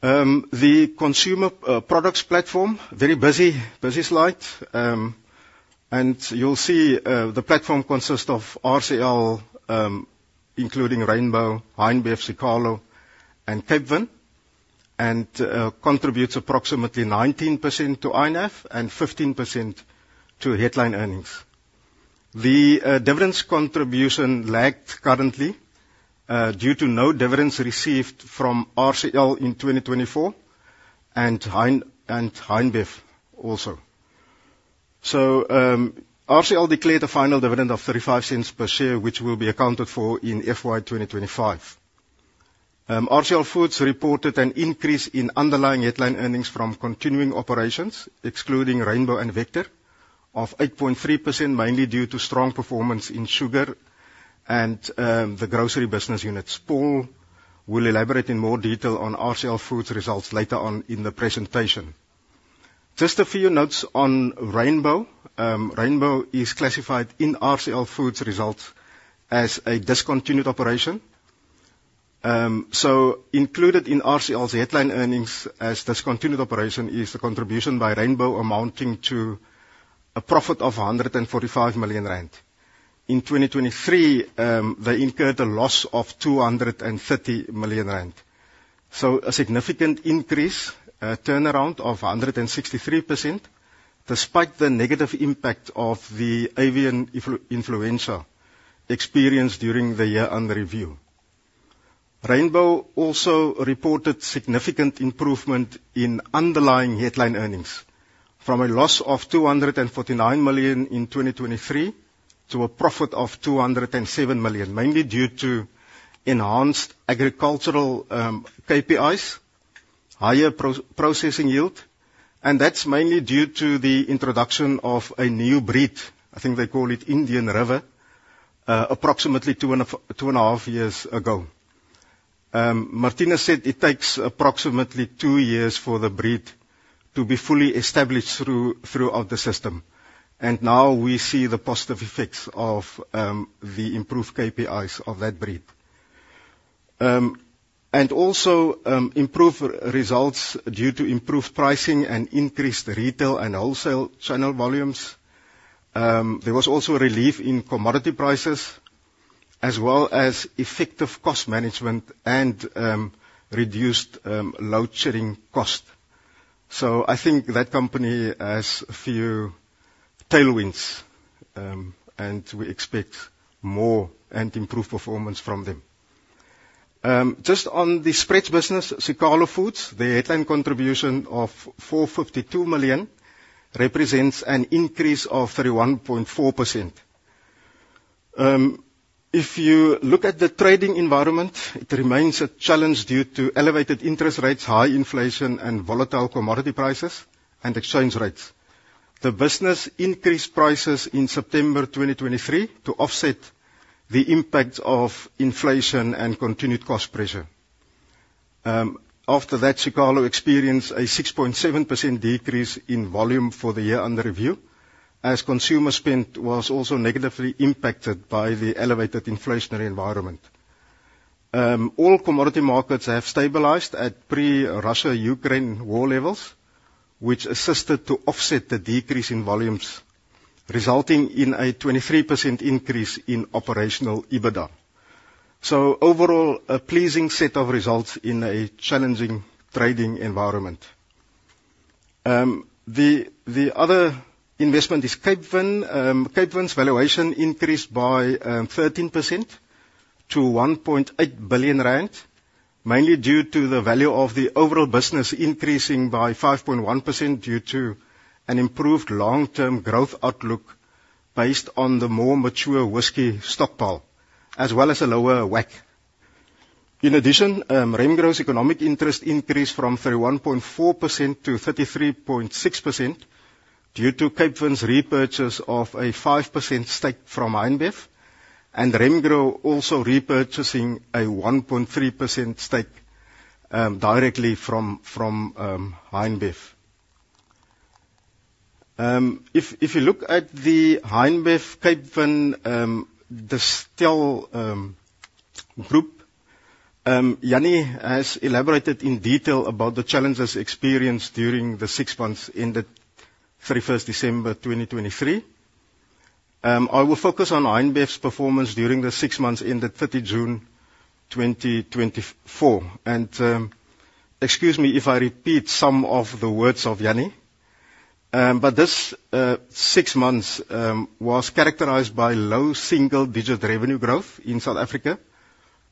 D: The consumer products platform, very busy slide. And you'll see, the platform consists of RCL, including Rainbow, HeinBev, Siqalo, and Cape Wine, and contributes approximately 19% to INAV and 15% to headline earnings. Dividends contribution lagged currently due to no dividends received from RCL in 2024 and HeinBev also. RCL declared a final dividend of 0.35 per share, which will be accounted for in FY 2025. RCL Foods reported an increase in underlying headline earnings from continuing operations, excluding Rainbow and Vector, of 8.3%, mainly due to strong performance in sugar and the grocery business units. Paul will elaborate in more detail on RCL Foods results later on in the presentation. Just a few notes on Rainbow. Rainbow is classified in RCL Foods results as a discontinued operation. So included in RCL's headline earnings as discontinued operation is the contribution by Rainbow, amounting to a profit of 145 million rand. In 2023, they incurred a loss of 230 million rand. A significant increase, a turnaround of 163%, despite the negative impact of the avian influenza experienced during the year under review. Rainbow also reported significant improvement in underlying headline earnings from a loss of 249 million in 2023 to a profit of 207 million, mainly due to enhanced agricultural KPIs, higher processing yield, and that's mainly due to the introduction of a new breed, I think they call it Indian River, approximately two and a half years ago. Marthinus Stander said it takes approximately two years for the breed to be fully established throughout the system, and now we see the positive effects of the improved KPIs of that breed. And also, improved results due to improved pricing and increased retail and wholesale channel volumes. There was also a relief in commodity prices, as well as effective cost management and reduced load shedding cost. So I think that company has a few tailwinds, and we expect more and improved performance from them. Just on the spreads business, Siqalo Foods, the headline contribution of 452 million represents an increase of 31.4%. If you look at the trading environment, it remains a challenge due to elevated interest rates, high inflation, and volatile commodity prices and exchange rates. The business increased prices in September 2023 to offset the impact of inflation and continued cost pressure. After that, Siqalo experienced a 6.7% decrease in volume for the year under review, as consumer spend was also negatively impacted by the elevated inflationary environment. All commodity markets have stabilized at pre-Russia-Ukraine war levels, which assisted to offset the decrease in volumes, resulting in a 23% increase in operational EBITDA. Overall, a pleasing set of results in a challenging trading environment. The other investment is Cape Wine. Cape Wine's valuation increased by 13% to 1.8 billion rand, mainly due to the value of the overall business increasing by 5.1% due to an improved long-term growth outlook based on the more mature whiskey stockpile, as well as a lower WACC. In addition, Remgro's economic interest increased from 31.4% to 33.6% due to Cape Wine's repurchase of a 5% stake from Heineken, and Remgro also repurchasing a 1.3% stake directly from Heineken. If you look at the Heineken, Cape Wine, Distell group, Jannie has elaborated in detail about the challenges experienced during the six months ended 31 December 2023. I will focus on Heineken's performance during the six months ended 30 June 2024. Excuse me if I repeat some of the words of Jannie, but this six months was characterized by low single-digit revenue growth in South Africa,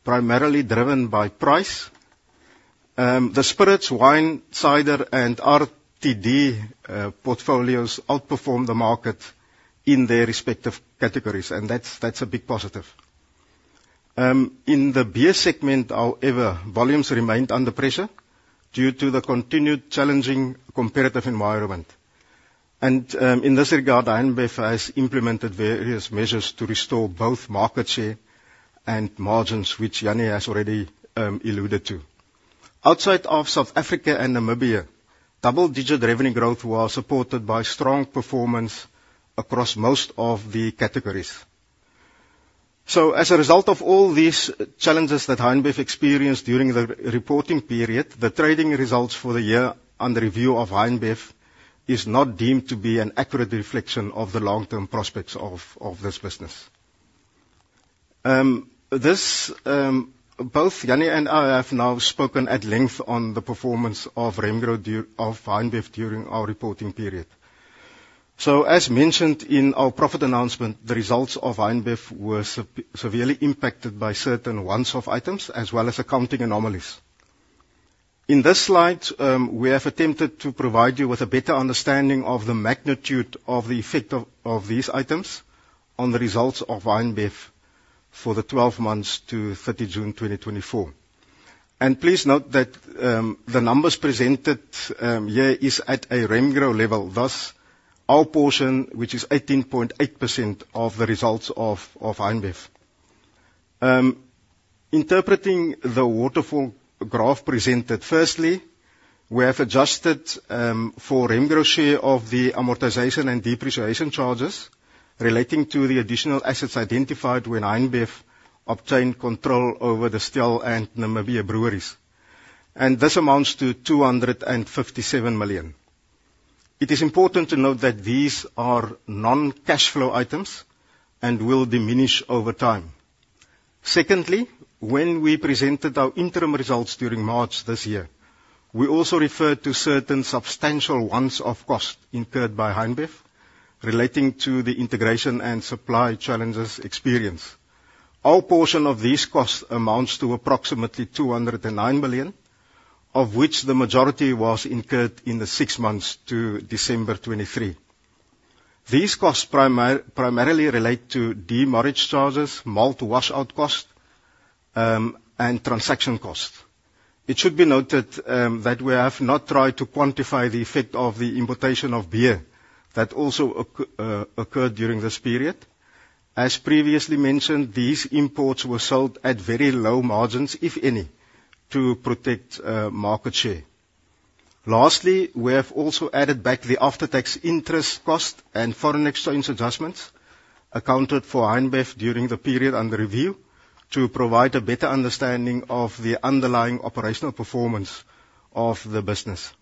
D: primarily driven by price. The spirits, wine, cider, and RTD portfolios outperformed the market in their respective categories, and that's a big positive. In the beer segment, however, volumes remained under pressure due to the continued challenging competitive environment. And, in this regard, Heineken has implemented various measures to restore both market share and margins, which Jannie has already alluded to. Outside of South Africa and Namibia, double-digit revenue growth was supported by strong performance across most of the categories. So as a result of all these challenges that Heineken experienced during the reporting period, the trading results for the year under review of Heineken is not deemed to be an accurate reflection of the long-term prospects of this business. Both Jannie and I have now spoken at length on the performance of Heineken during our reporting period. So, as mentioned in our profit announcement, the results of Heineken were severely impacted by certain once-off items as well as accounting anomalies. In this slide, we have attempted to provide you with a better understanding of the magnitude of the effect of, of these items on the results of Heineken for the twelve months to thirty June 2024. And please note that, the numbers presented, here is at a Remgro level, thus our portion, which is 18.8% of the results of, of Heineken. Interpreting the waterfall graph presented, firstly, we have adjusted, for Remgro's share of the amortization and depreciation charges relating to the additional assets identified when Heineken obtained control over Distell and Namibia Breweries, and this amounts to 257 million. It is important to note that these are non-cash flow items and will diminish over time. Secondly, when we presented our interim results during March this year, we also referred to certain substantial one-off costs incurred by Heineken, relating to the integration and supply challenges experienced. Our portion of these costs amounts to approximately 209 million, of which the majority was incurred in the six months to December 2023. These costs primarily relate to demurrage charges, malt washout costs, and transaction costs. It should be noted that we have not tried to quantify the effect of the importation of beer that also occurred during this period. As previously mentioned, these imports were sold at very low margins, if any, to protect market share. Lastly, we have also added back the after-tax interest cost and foreign exchange adjustments accounted for Heineken during the period under review to provide a better understanding of the underlying operational performance of the business.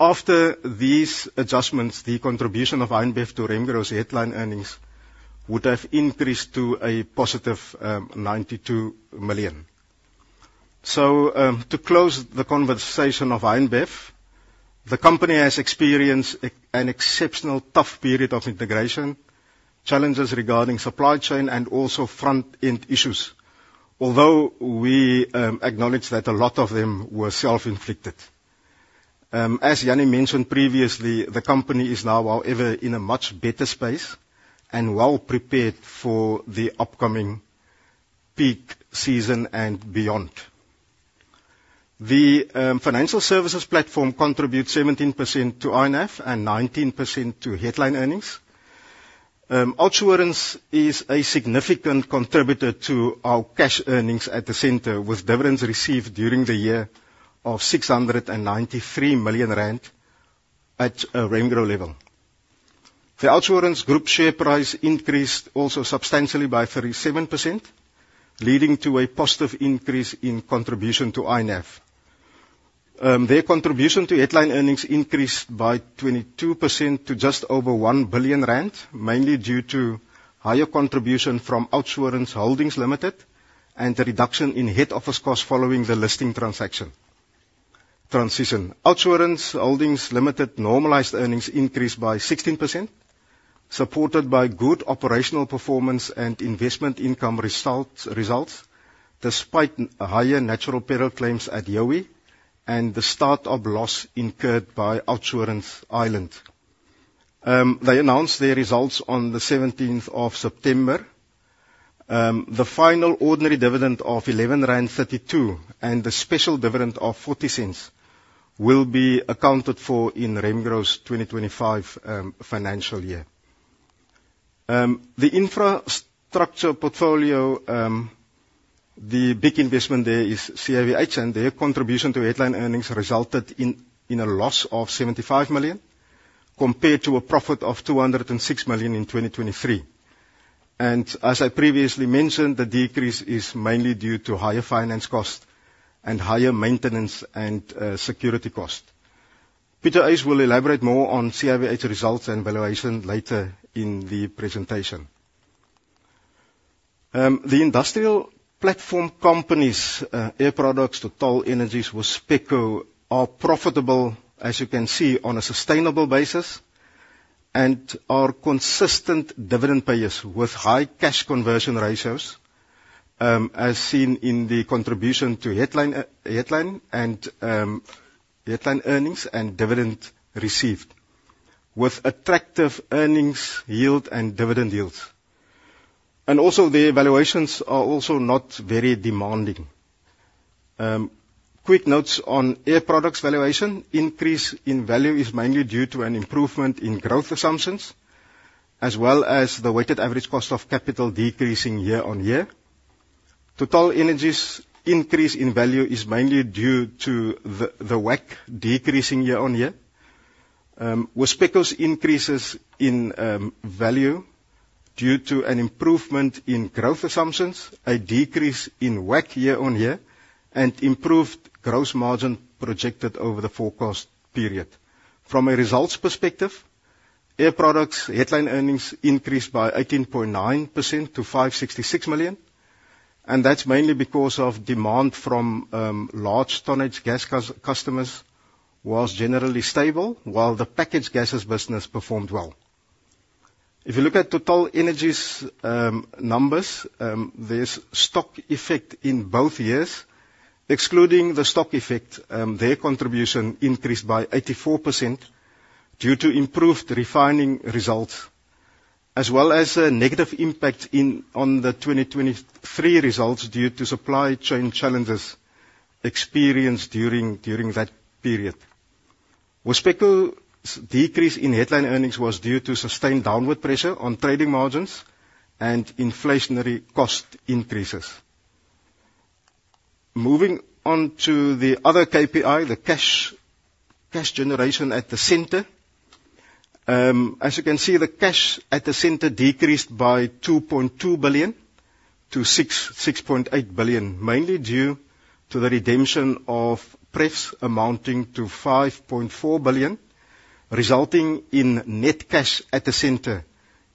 D: After these adjustments, the contribution of Heineken to Remgro's headline earnings would have increased to a positive R92 million. To close the conversation of HeinBev, the company has experienced an exceptionally tough period of integration, challenges regarding supply chain and also front-end issues. Although we acknowledge that a lot of them were self-inflicted. As Jannie mentioned previously, the company is now, however, in a much better space and well prepared for the upcoming peak season and beyond. The financial services platform contributes 17% to INAV and 19% to headline earnings. OUTsurance is a significant contributor to our cash earnings at the center, with dividends received during the year of 693 million rand at a Remgro level. The OUTsurance Group share price increased also substantially by 37%, leading to a positive increase in contribution to INAV. Their contribution to headline earnings increased by 22% to just over 1 billion rand, mainly due to higher contribution from OUTsurance Holdings Limited and the reduction in head office costs following the listing transaction transition. OUTsurance Holdings Limited normalized earnings increased by 16%, supported by good operational performance and investment income results, despite higher natural peril claims at Youi and the start-up loss incurred by OUTsurance Ireland. They announced their results on the seventeenth of September. The final ordinary dividend of 11.32 rand and the special dividend of 0.40 will be accounted for in Remgro's 2025 financial year. The infrastructure portfolio, the big investment there is CIVH, and their contribution to Headline Earnings resulted in a loss of 75 million, compared to a profit of 206 million in 2023. As I previously mentioned, the decrease is mainly due to higher finance costs and higher maintenance and security costs. Pieter Uys will elaborate more on CIVH results and valuation later in the presentation. The industrial platform companies, Air Products, TotalEnergies, Wispeco, are profitable, as you can see, on a sustainable basis, and are consistent dividend payers with high cash conversion ratios, as seen in the contribution to headline earnings and dividend received, with attractive earnings yield and dividend yields. Their valuations are also not very demanding. Quick notes on Air Products valuation. Increase in value is mainly due to an improvement in growth assumptions, as well as the weighted average cost of capital decreasing year on year. TotalEnergies increase in value is mainly due to the WACC decreasing year on year. Wispeco's increases in value due to an improvement in growth assumptions, a decrease in WACC year on year, and improved gross margin projected over the forecast period. From a results perspective, Air Products' headline earnings increased by 18.9% to 566 million, and that's mainly because of demand from large tonnage gas customers was generally stable, while the packaged gases business performed well. If you look at TotalEnergies numbers, there's stock effect in both years. Excluding the stock effect, their contribution increased by 84% due to improved refining results, as well as a negative impact in on the 2023 results due to supply chain challenges experienced during that period. Wispeco's decrease in headline earnings was due to sustained downward pressure on trading margins and inflationary cost increases. Moving on to the other KPI, the cash generation at the center. As you can see, the cash at the center decreased by 2.2 billion to 6.8 billion, mainly due to the redemption of pref amounting to 5.4 billion, resulting in net cash at the center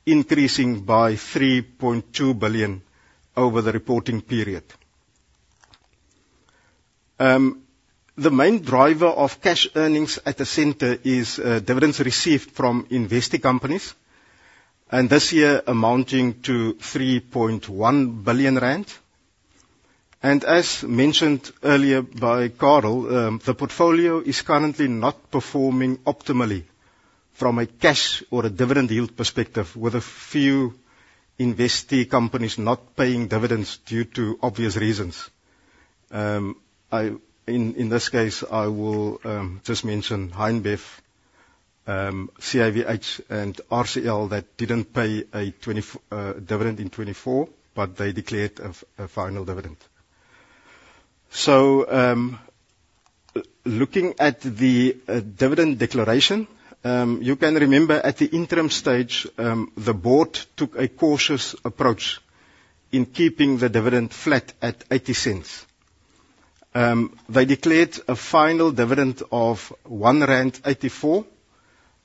D: increasing by 3.2 billion over the reporting period. The main driver of cash earnings at the center is dividends received from investee companies, and this year amounting to 3.1 billion rand. And as mentioned earlier by Carel, the portfolio is currently not performing optimally from a cash or a dividend yield perspective, with a few investee companies not paying dividends due to obvious reasons. In this case, I will just mention HeinBev, CIVH, and RCL, that didn't pay a dividend in 2024, but they declared a final dividend. Looking at the dividend declaration, you can remember at the interim stage, the board took a cautious approach in keeping the dividend flat at 0.80. They declared a final dividend of 1.84 rand,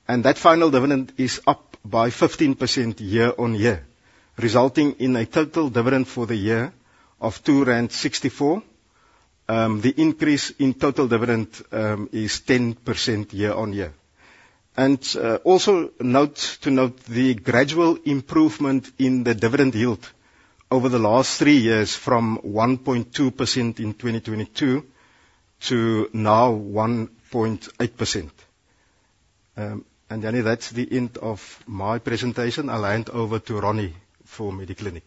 D: and that final dividend is up by 15% year on year, resulting in a total dividend for the year of 2.64 rand. The increase in total dividend is 10% year on year. Also note the gradual improvement in the dividend yield over the last three years from 1.2% in 2022 to now 1.8%. That's the end of my presentation. I'll hand over to Ronnie for Mediclinic.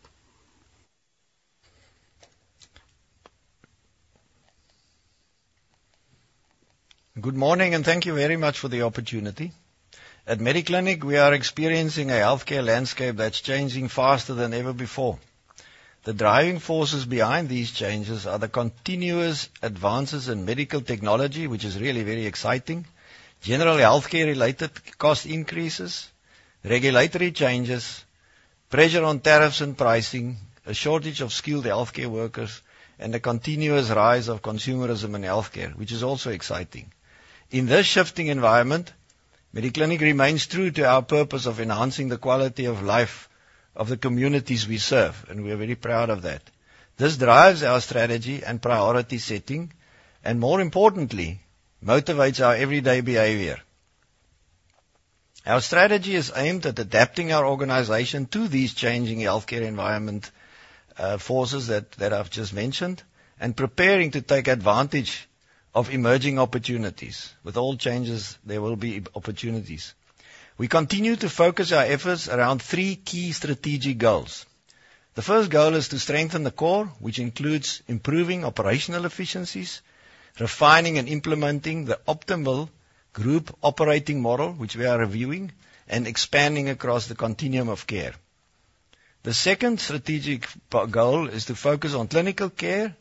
D: Good morning, and thank you very much for the opportunity. At Mediclinic, we are experiencing a healthcare landscape that's changing faster than ever before. The driving forces behind these changes are the continuous advances in medical technology, which is really very exciting, general healthcare-related cost increases, regulatory changes, pressure on tariffs and pricing, a shortage of skilled healthcare workers, and a continuous rise of consumerism in healthcare, which is also exciting. In this shifting environment, Mediclinic remains true to our purpose of enhancing the quality of life of the communities we serve, and we are very proud of that. This drives our strategy and priority setting, and more importantly, motivates our everyday behavior. Our strategy is aimed at adapting our organization to these changing healthcare environment, forces that I've just mentioned, and preparing to take advantage of emerging opportunities. With all changes, there will be opportunities. We continue to focus our efforts around three key strategic goals. The first goal is to strengthen the core, which includes improving operational efficiencies, refining and implementing the optimal group operating model, which we are reviewing and expanding across the continuum of care. The second strategic goal is to focus on clinical care,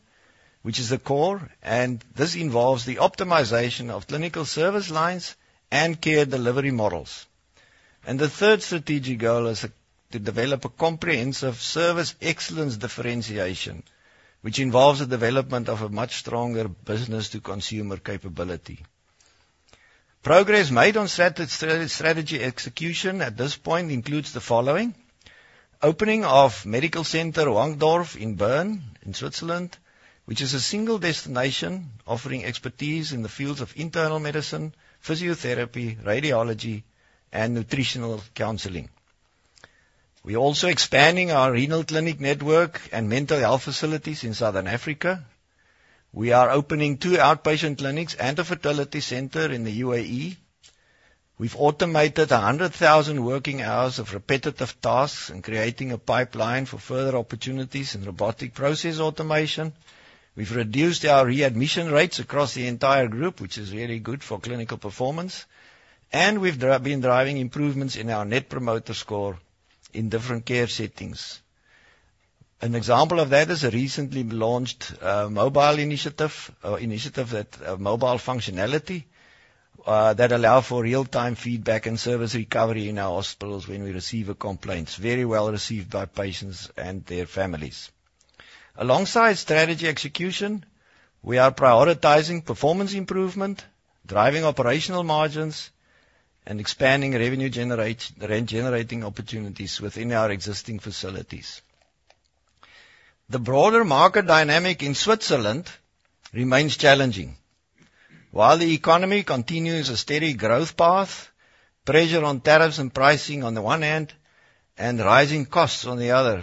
D: which is the core, and this involves the optimization of clinical service lines and care delivery models. And the third strategic goal is to develop a comprehensive service excellence differentiation, which involves the development of a much stronger business to consumer capability. Progress made on strategy execution at this point includes the following: opening of Medical Center Wangen in Bern, in Switzerland, which is a single destination offering expertise in the fields of internal medicine, physiotherapy, radiology, and nutritional counseling. We are also expanding our renal clinic network and mental health facilities in Southern Africa. We are opening two outpatient clinics and a fertility center in the UAE. We've automated 100,000 working hours of repetitive tasks and creating a pipeline for further opportunities in robotic process automation. We've reduced our readmission rates across the entire group, which is really good for clinical performance, and we've been driving improvements in our net promoter score in different care settings. An example of that is a recently launched mobile initiative that allow for real-time feedback and service recovery in our hospitals when we receive complaints. Very well received by patients and their families. Alongside strategy execution, we are prioritizing performance improvement, driving operational margins, and expanding revenue generating opportunities within our existing facilities. The broader market dynamic in Switzerland remains challenging. While the economy continues a steady growth path, pressure on tariffs and pricing on the one hand, and rising costs on the other,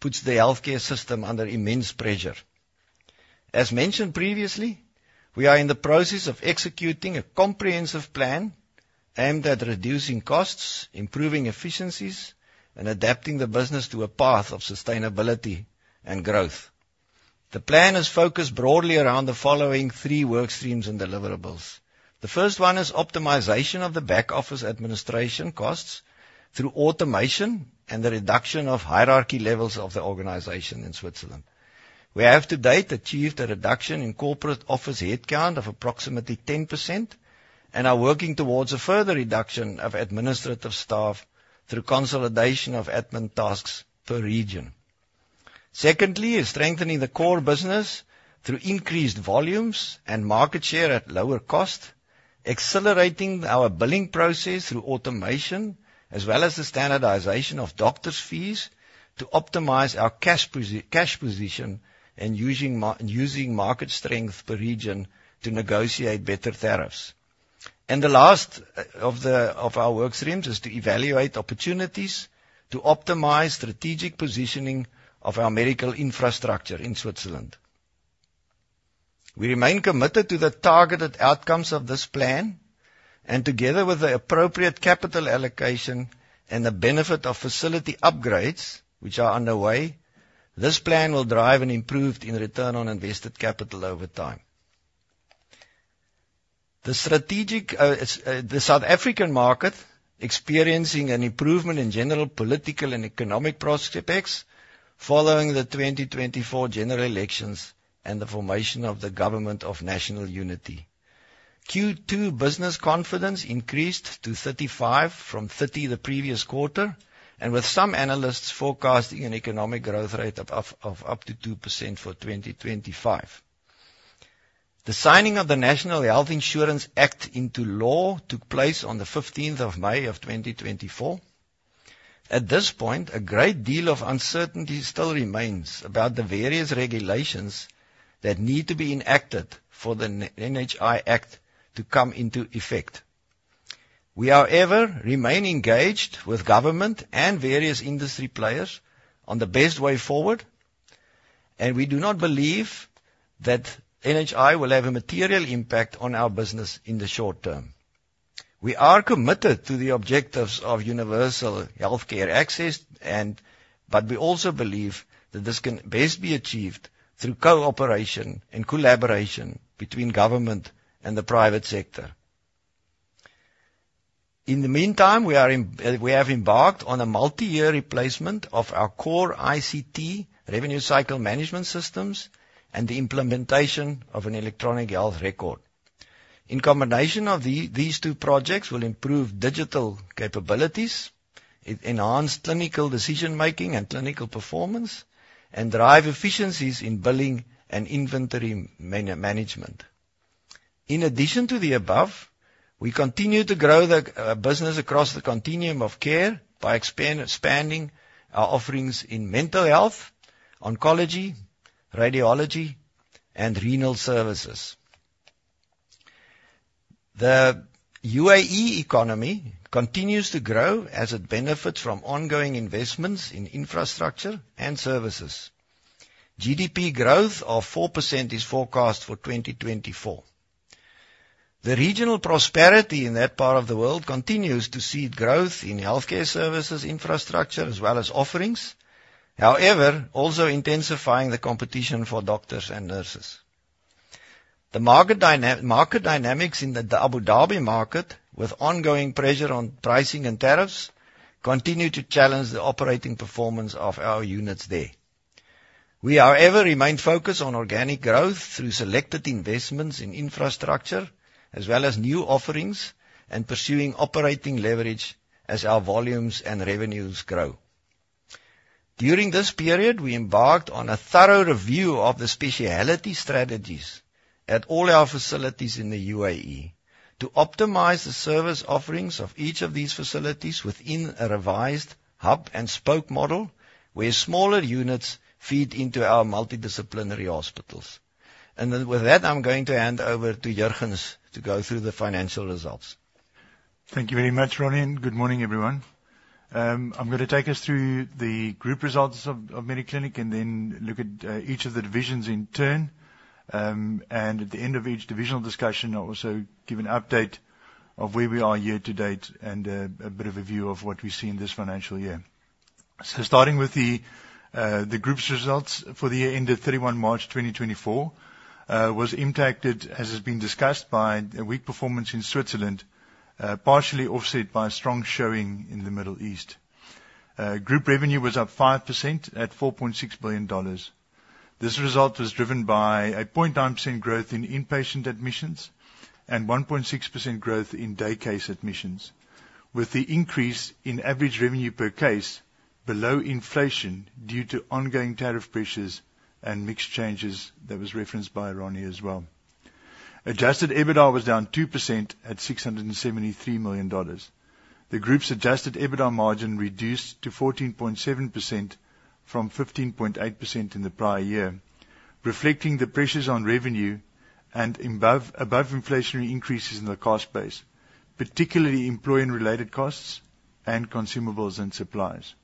D: puts the healthcare system under immense pressure. As mentioned previously, we are in the process of executing a comprehensive plan aimed at reducing costs, improving efficiencies, and adapting the business to a path of sustainability and growth. The plan is focused broadly around the following three work streams and deliverables. The first one is optimization of the back office administration costs through automation and the reduction of hierarchy levels of the organization in Switzerland. We have to date, achieved a reduction in corporate office headcount of approximately 10% and are working towards a further reduction of administrative staff through consolidation of admin tasks per region. Secondly, is strengthening the core business through increased volumes and market share at lower cost, accelerating our billing process through automation, as well as the standardization of doctors' fees to optimize our cash position, and using market strength per region to negotiate better tariffs. The last of our work streams is to evaluate opportunities to optimize strategic positioning of our medical infrastructure in Switzerland. We remain committed to the targeted outcomes of this plan, and together with the appropriate capital allocation and the benefit of facility upgrades which are underway, this plan will drive an improvement in return on invested capital over time. The South African market, experiencing an improvement in general political and economic prospects following the 2024 general elections and the formation of the government of national unity. Q2 business confidence increased to 35 from 30 the previous quarter, and with some analysts forecasting an economic growth rate of up to 2% for 2025. The signing of the National Health Insurance Act into law took place on the fifteenth of May of 2024. At this point, a great deal of uncertainty still remains about the various regulations that need to be enacted for the NHI Act to come into effect. We, however, remain engaged with government and various industry players on the best way forward, and we do not believe that NHI will have a material impact on our business in the short term. We are committed to the objectives of universal healthcare access and but we also believe that this can best be achieved through cooperation and collaboration between government and the private sector. In the meantime, we are, we have embarked on a multi-year replacement of our core ICT revenue cycle management systems and the implementation of an electronic health record. In combination, these two projects will improve digital capabilities, it enhance clinical decision-making and clinical performance, and drive efficiencies in billing and inventory management. In addition to the above, we continue to grow the business across the continuum of care by expanding our offerings in mental health, oncology, radiology, and renal services. The UAE economy continues to grow as it benefits from ongoing investments in infrastructure and services. GDP growth of 4% is forecast for 2024. The regional prosperity in that part of the world continues to seed growth in healthcare services infrastructure, as well as offerings, however, also intensifying the competition for doctors and nurses. The market dynamics in the Abu Dhabi market, with ongoing pressure on pricing and tariffs, continue to challenge the operating performance of our units there. We, however, remain focused on organic growth through selected investments in infrastructure, as well as new offerings and pursuing operating leverage as our volumes and revenues grow. During this period, we embarked on a thorough review of the specialty strategies at all our facilities in the UAE to optimize the service offerings of each of these facilities within a revised hub-and-spoke model, where smaller units feed into our multidisciplinary hospitals, and then with that, I'm going to hand over to Jurgens to go through the financial results. Thank you very much, Ronnie, and good morning, everyone. I'm going to take us through the group results of, of Mediclinic and then look at, each of the divisions in turn. And at the end of each divisional discussion, I'll also give an update of where we are year to date and, a bit of a view of what we see in this financial year. So starting with the, the group's results for the year ended 31 March 2024, was impacted, as has been discussed, by a weak performance in Switzerland, partially offset by a strong showing in the Middle East. Group revenue was up 5% at $4.6 billion. This result was driven by 0.9% growth in inpatient admissions and 1.6% growth in daycase admissions, with the increase in average revenue per case below inflation due to ongoing tariff pressures and mixed changes that was referenced by Ronnie as well. Adjusted EBITDA was down 2% at $673 million. The group's adjusted EBITDA margin reduced to 14.7% from 15.8% in the prior year, reflecting the pressures on revenue and above inflationary increases in the cost base, particularly employee-related costs and consumables and supplies.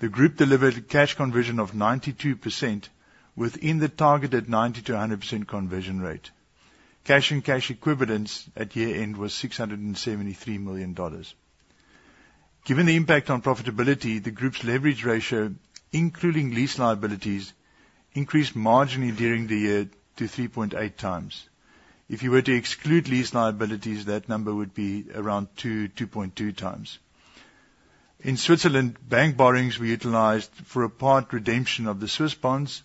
D: The group delivered cash conversion of 92% within the targeted 90%-100% conversion rate. Cash and cash equivalents at year-end was $673 million. Given the impact on profitability, the group's leverage ratio, including lease liabilities, increased marginally during the year to 3.8 times. If you were to exclude lease liabilities, that number would be around 2.2 times. In Switzerland, bank borrowings were utilized for a part redemption of the Swiss bonds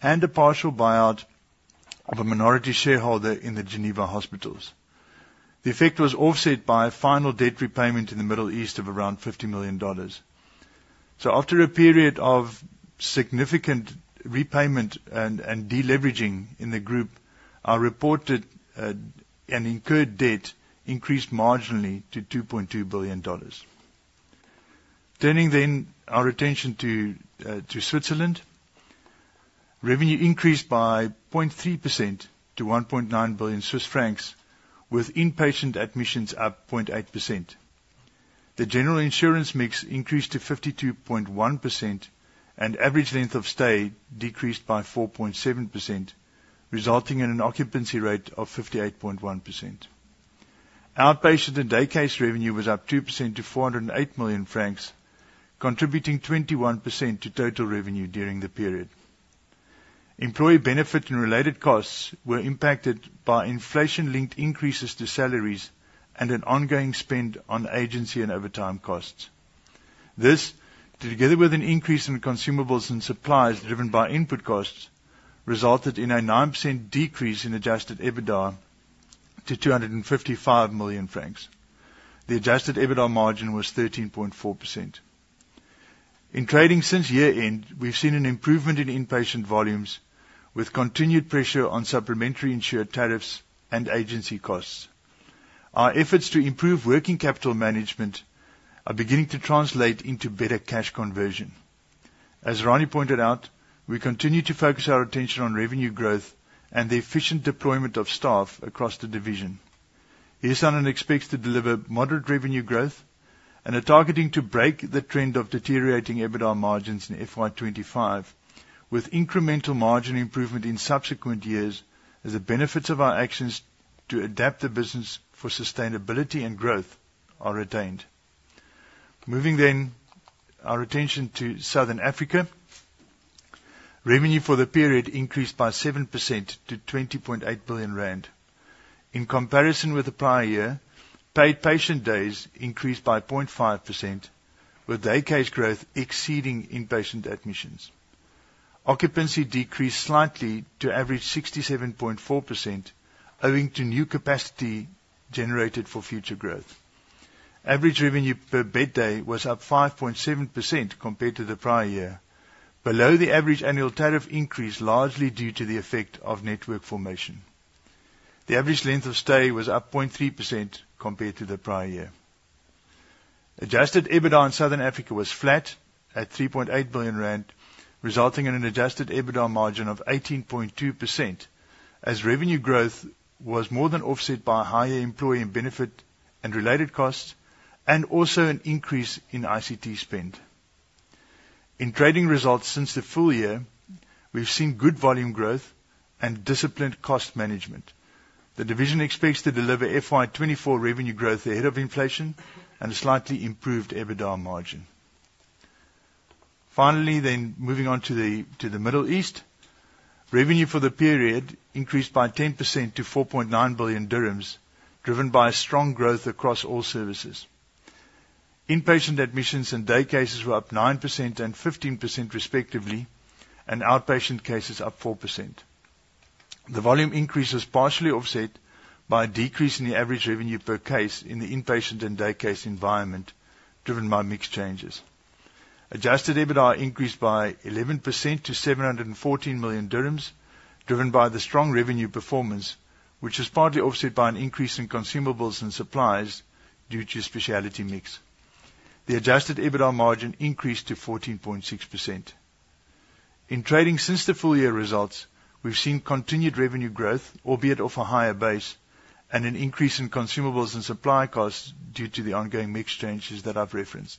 D: and a partial buyout of a minority shareholder in the Geneva hospitals. The effect was offset by a final debt repayment in the Middle East of around $50 million. So after a period of significant repayment and deleveraging in the group, our reported and incurred debt increased marginally to $2.2 billion. Turning then our attention to Switzerland. Revenue increased by 0.3% to 1.9 billion Swiss francs, with inpatient admissions up 0.8%. The general insured mix increased to 52.1%, and average length of stay decreased by 4.7%, resulting in an occupancy rate of 58.1%. Outpatient and daycase revenue was up 2% to 408 million francs, contributing 21% to total revenue during the period. Employee benefit and related costs were impacted by inflation-linked increases to salaries and an ongoing spend on agency and overtime costs... This, together with an increase in consumables and supplies driven by input costs, resulted in a 9% decrease in adjusted EBITDA to 255 million francs. The adjusted EBITDA margin was 13.4%. In trading since year-end, we've seen an improvement in inpatient volumes, with continued pressure on supplementary insured tariffs and agency costs. Our efforts to improve working capital management are beginning to translate into better cash conversion. As Ronnie pointed out, we continue to focus our attention on revenue growth and the efficient deployment of staff across the division. Hirslanden expects to deliver moderate revenue growth and are targeting to break the trend of deteriorating EBITDA margins in FY 2025, with incremental margin improvement in subsequent years, as the benefits of our actions to adapt the business for sustainability and growth are retained. Moving then our attention to Southern Africa. Revenue for the period increased by 7% to 20.8 billion rand. In comparison with the prior year, paid patient days increased by 0.5%, with day case growth exceeding inpatient admissions. Occupancy decreased slightly to average 67.4%, owing to new capacity generated for future growth. Average revenue per bed day was up 5.7% compared to the prior year, below the average annual tariff increase, largely due to the effect of network formation. The average length of stay was up 0.3% compared to the prior year. Adjusted EBITDA in Southern Africa was flat at 3.8 billion rand, resulting in an adjusted EBITDA margin of 18.2%, as revenue growth was more than offset by higher employee and benefit and related costs, and also an increase in ICT spend. In trading results since the full year, we've seen good volume growth and disciplined cost management. The division expects to deliver FY 2024 revenue growth ahead of inflation and a slightly improved EBITDA margin. Finally, then moving on to the Middle East. Revenue for the period increased by 10% to 4.9 billion dirhams, driven by strong growth across all services. Inpatient admissions and day cases were up 9% and 15%, respectively, and outpatient cases up 4%. The volume increase was partially offset by a decrease in the average revenue per case in the inpatient and day case environment, driven by mix changes. Adjusted EBITDA increased by 11% to 714 million dirhams, driven by the strong revenue performance, which was partly offset by an increase in consumables and supplies due to speciality mix. The adjusted EBITDA margin increased to 14.6%. In trading since the full-year results, we've seen continued revenue growth, albeit off a higher base, and an increase in consumables and supply costs due to the ongoing mix changes that I've referenced.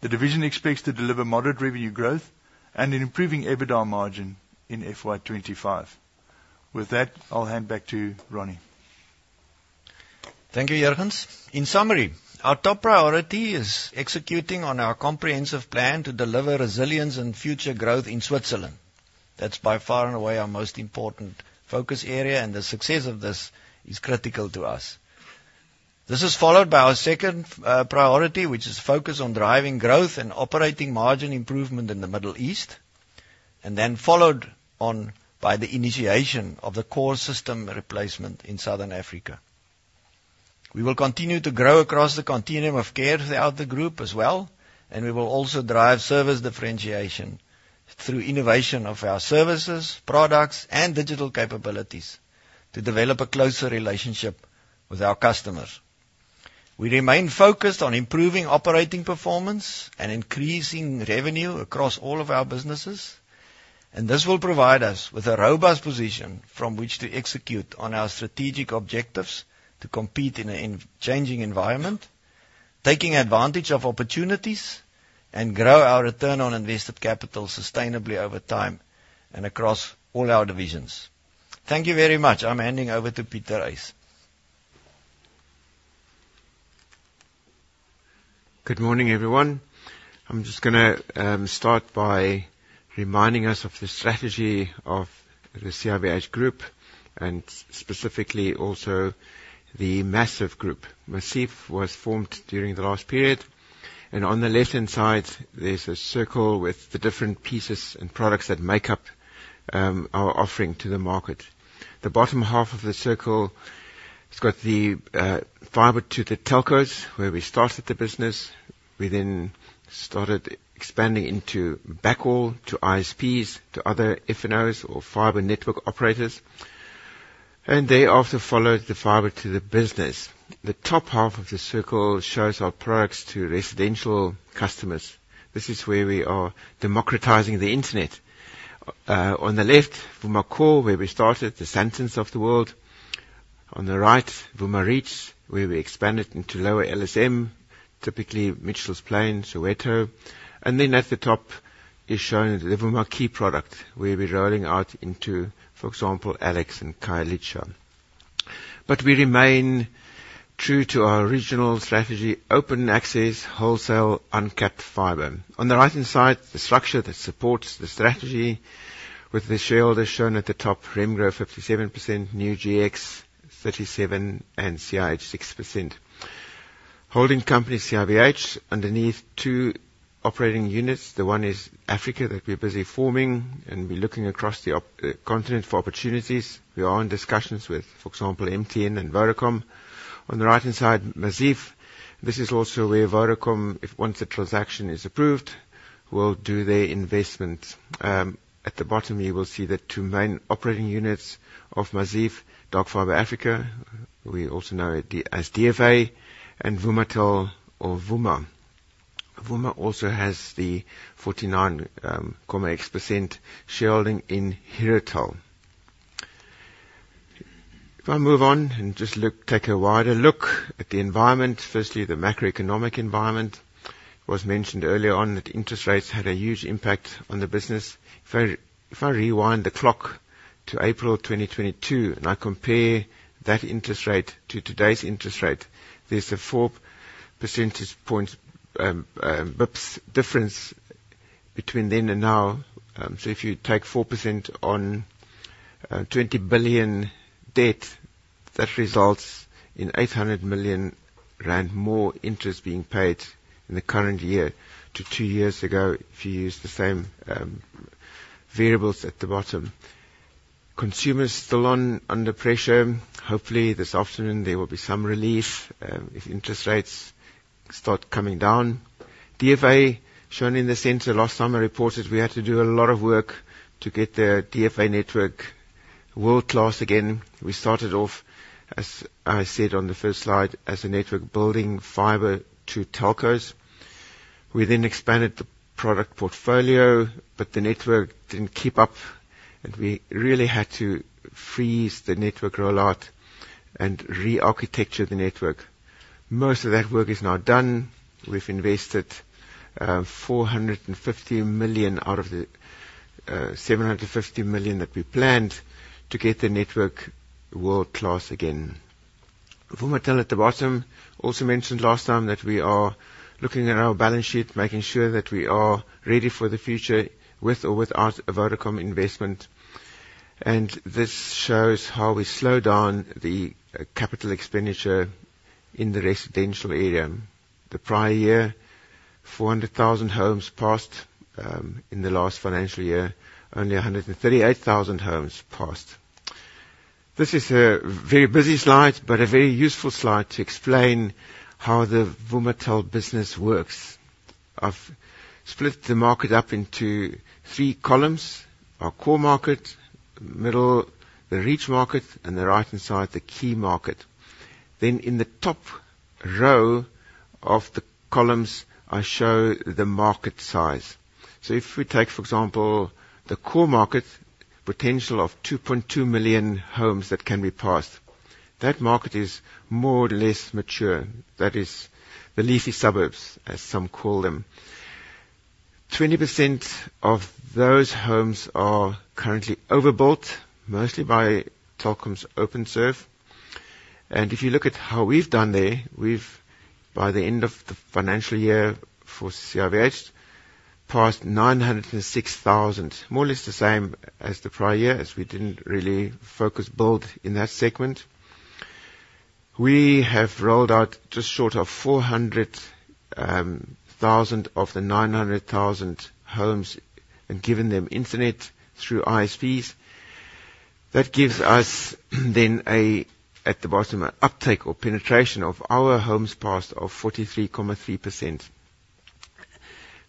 D: The division expects to deliver moderate revenue growth and an improving EBITDA margin in FY 2025. With that, I'll hand back to Ronnie. Thank you, Jurgens. In summary, our top priority is executing on our comprehensive plan to deliver resilience and future growth in Switzerland. That's by far and away our most important focus area, and the success of this is critical to us. This is followed by our second priority, which is focused on driving growth and operating margin improvement in the Middle East, and then followed on by the initiation of the core system replacement in Southern Africa. We will continue to grow across the continuum of care throughout the group as well, and we will also drive service differentiation through innovation of our services, products, and digital capabilities to develop a closer relationship with our customers. We remain focused on improving operating performance and increasing revenue across all of our businesses, and this will provide us with a robust position from which to execute on our strategic objectives to compete in a changing environment, taking advantage of opportunities, and grow our return on invested capital sustainably over time and across all our divisions. Thank you very much. I'm handing over to Pieter Uys.
E: Good morning, everyone. I'm just gonna start by reminding us of the strategy of the CIVH group and specifically also the Maziv group. Maziv was formed during the last period, and on the left-hand side, there's a circle with the different pieces and products that make up our offering to the market. The bottom half of the circle has got the fiber to the telcos, where we started the business. We then started expanding into backhaul, to ISPs, to other FNOs or fiber network operators, and thereafter followed the fiber to the business. The top half of the circle shows our products to residential customers. This is where we are democratizing the internet. On the left, Vuma Core, where we started, the Sandtons of the world. On the right, Vuma Reach, where we expanded into lower LSM, typically Mitchells Plain, Soweto. Then at the top is showing the Vuma Key product, where we're rolling out into, for example, Alex and Khayelitsha. But we remain true to our original strategy: open access, wholesale, uncapped fiber. On the right-hand side, the structure that supports the strategy with the shareholders shown at the top, Remgro, 57%, NewGX thirty-seven, and CIH, 6%. Holding company, CIVH, underneath two operating units. The one is Africa, that we're busy forming, and we're looking across the continent for opportunities. We are in discussions with, for example, MTN and Vodacom. On the right-hand side, Maziv. This is also where Vodacom, if once the transaction is approved, will do their investment. At the bottom, you will see the two main operating units of Maziv: Dark Fibre Africa, we also know it as DFA, and Vumatel or Vuma. Vuma also has the 49.X% shareholding in Herotel. If I move on and just look, take a wider look at the environment. Firstly, the macroeconomic environment. It was mentioned earlier on that interest rates had a huge impact on the business. If I rewind the clock to April 2022, and I compare that interest rate to today's interest rate, there's a 4 percentage points basis points difference between then and now. So if you take 4% on 20 billion debt, that results in 800 million rand more interest being paid in the current year to two years ago, if you use the same variables at the bottom. Consumers still under pressure. Hopefully, this afternoon, there will be some relief, if interest rates start coming down. DFA, shown in the center, last time I reported, we had to do a lot of work to get the DFA network world-class again. We started off, as I said on the first slide, as a network building fiber to telcos. We then expanded the product portfolio, but the network didn't keep up, and we really had to freeze the network rollout and re-architecture the network. Most of that work is now done. We've invested 450 million out of the 750 million that we planned to get the network world-class again. Vumatel at the bottom, also mentioned last time that we are looking at our balance sheet, making sure that we are ready for the future, with or without a Vodacom investment, and this shows how we slowed down the capital expenditure in the residential area. The prior year, 400,000 homes passed. In the last financial year, only 138,000 homes passed. This is a very busy slide, but a very useful slide to explain how the Vumatel business works. I've split the market up into three columns: our core market, middle, the reach market, and the right-hand side, the key market. Then in the top row of the columns, I show the market size. So if we take, for example, the core market potential of 2.2 million homes that can be passed, that market is more or less mature. That is the leafy suburbs, as some call them. 20% of those homes are currently overbuilt, mostly by Telkom's OpenServe. And if you look at how we've done there, we've, by the end of the financial year for CIVH, passed 906,000, more or less the same as the prior year, as we didn't really focus build in that segment. We have rolled out just short of 400,000 of the 900,000 homes and given them internet through ISPs. That gives us then a, at the bottom, an uptake or penetration of our homes passed of 43.3%.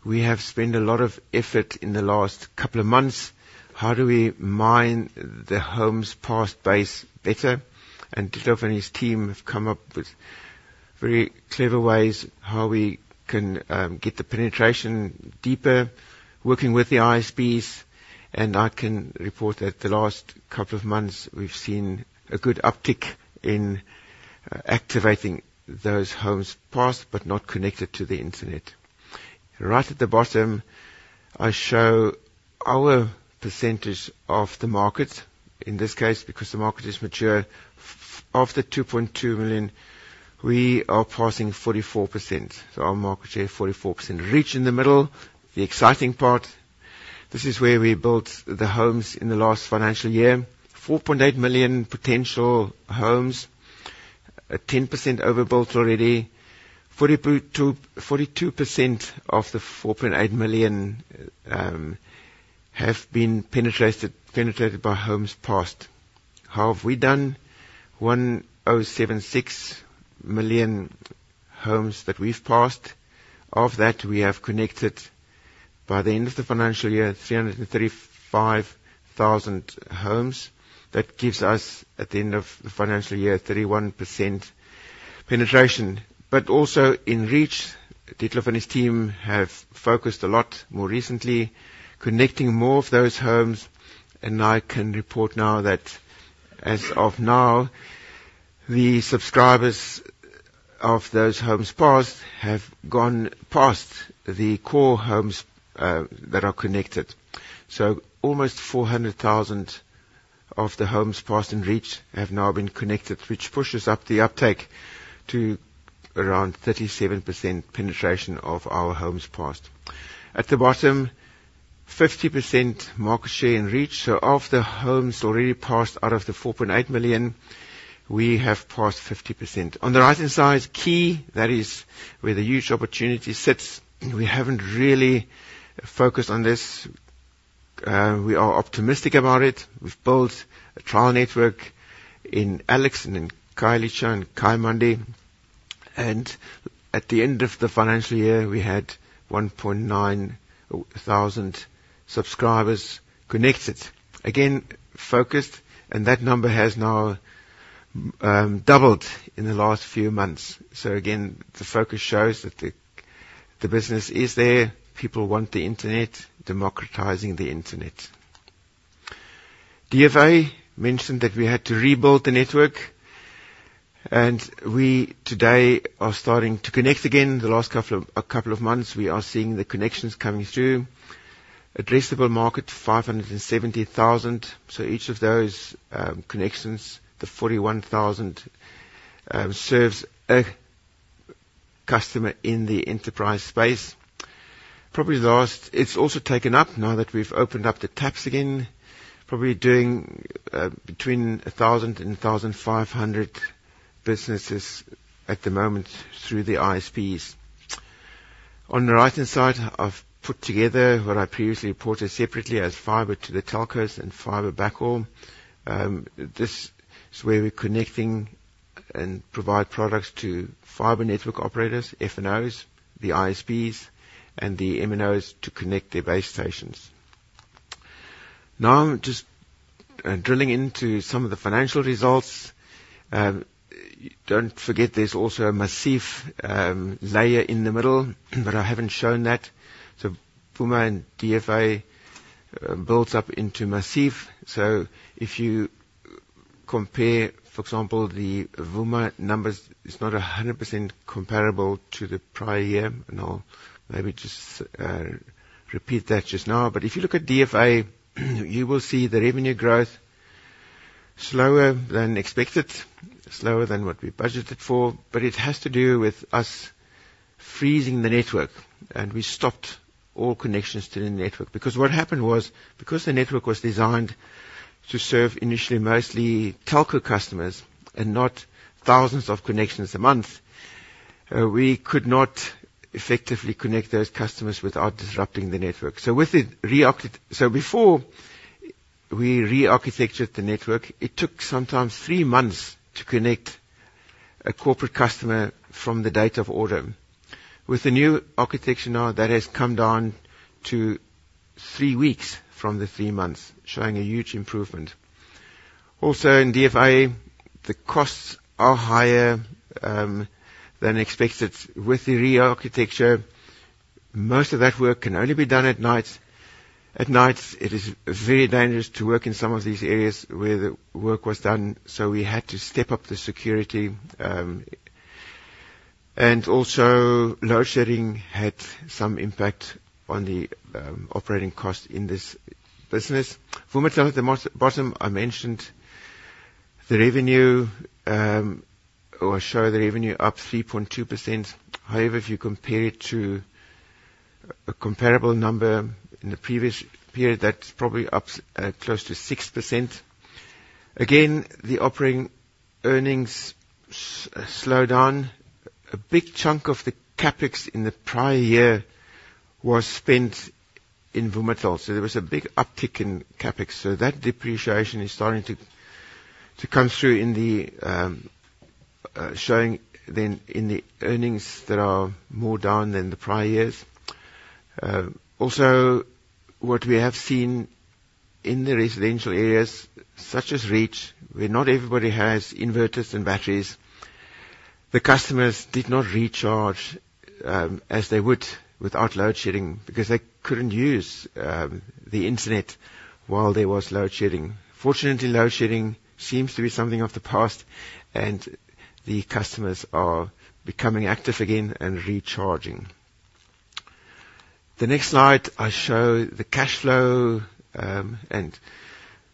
E: We have spent a lot of effort in the last couple of months. How do we mine the homes passed base better? Dietlof and his team have come up with very clever ways how we can get the penetration deeper, working with the ISPs, and I can report that the last couple of months, we've seen a good uptick in activating those homes passed but not connected to the internet. Right at the bottom, I show our percentage of the market. In this case, because the market is mature, of the 2.2 million, we are passing 44%. So our market share, 44%. Reach in the middle, the exciting part. This is where we built the homes in the last financial year. 4.8 million potential homes, 10% overbuilt already. 42, 42% of the 4.8 million have been penetrated, penetrated by homes passed. How have we done? 107.6 million homes that we've passed. Of that, we have connected, by the end of the financial year, 335,000 homes. That gives us, at the end of the financial year, 31% penetration. But also in Reach, Dietlof and his team have focused a lot more recently, connecting more of those homes, and I can report now that as of now, the subscribers of those homes passed have gone past the Core homes that are connected. So almost 400,000 of the homes passed and reached have now been connected, which pushes up the uptake to around 37% penetration of our homes passed. At the bottom, 50% market share in Reach. So of the homes already passed out of the 4.8 million, we have passed 50%. On the right-hand side, Key, that is where the huge opportunity sits. We haven't really focused on this. We are optimistic about it. We've built a trial network in Alex and in Khayelitsha and Kayamandi, and at the end of the financial year, we had 1.9 thousand subscribers connected. Again, focused, and that number has now doubled in the last few months. So again, the focus shows that the business is there, people want the internet, democratizing the internet. DFA mentioned that we had to rebuild the network, and we today are starting to connect again. The last couple of months, we are seeing the connections coming through. Addressable market, 570 thousand. So each of those connections, the 41,000, serves a customer in the enterprise space. Probably the last... It's also taken up now that we've opened up the taps again, probably doing between a thousand and a thousand five hundred businesses at the moment through the ISPs. On the right-hand side, I've put together what I previously reported separately as fiber to the telcos and fiber backhaul. This is where we're connecting and provide products to fiber network operators, FNOs, the ISPs, and the MNOs to connect their base stations. Now, just drilling into some of the financial results. Don't forget, there's also a Maziv layer in the middle, but I haven't shown that. So Vuma and DFA builds up into Maziv. So if you compare, for example, the Vuma numbers, it's not 100% comparable to the prior year, and I'll maybe just repeat that just now. But if you look at DFA, you will see the revenue growth slower than expected, slower than what we budgeted for, but it has to do with us freezing the network, and we stopped all connections to the network. Because what happened was, because the network was designed to serve initially, mostly telco customers and not thousands of connections a month, we could not effectively connect those customers without disrupting the network. So before we rearchitectured the network, it took sometimes three months to connect a corporate customer from the date of order. With the new architecture now, that has come down to three weeks from the three months, showing a huge improvement. Also, in DFA, the costs are higher than expected. With the rearchitecture, most of that work can only be done at night. At night, it is very dangerous to work in some of these areas where the work was done, so we had to step up the security. And also, load shedding had some impact on the operating cost in this business. Vuma at the bottom, I mentioned the revenue, or show the revenue up 3.2%. However, if you compare it to a comparable number in the previous period, that's probably up close to 6%. Again, the operating earnings slowed down. A big chunk of the CapEx in the prior year was spent in Vumatel, so there was a big uptick in CapEx. So that depreciation is starting to come through in the showing then in the earnings that are more down than the prior years. Also, what we have seen in the residential areas, such as Reach, where not everybody has inverters and batteries, the customers did not recharge, as they would without load shedding because they could not use the internet while there was load shedding. Fortunately, load shedding seems to be something of the past, and the customers are becoming active again and recharging. The next slide, I show the cash flow, and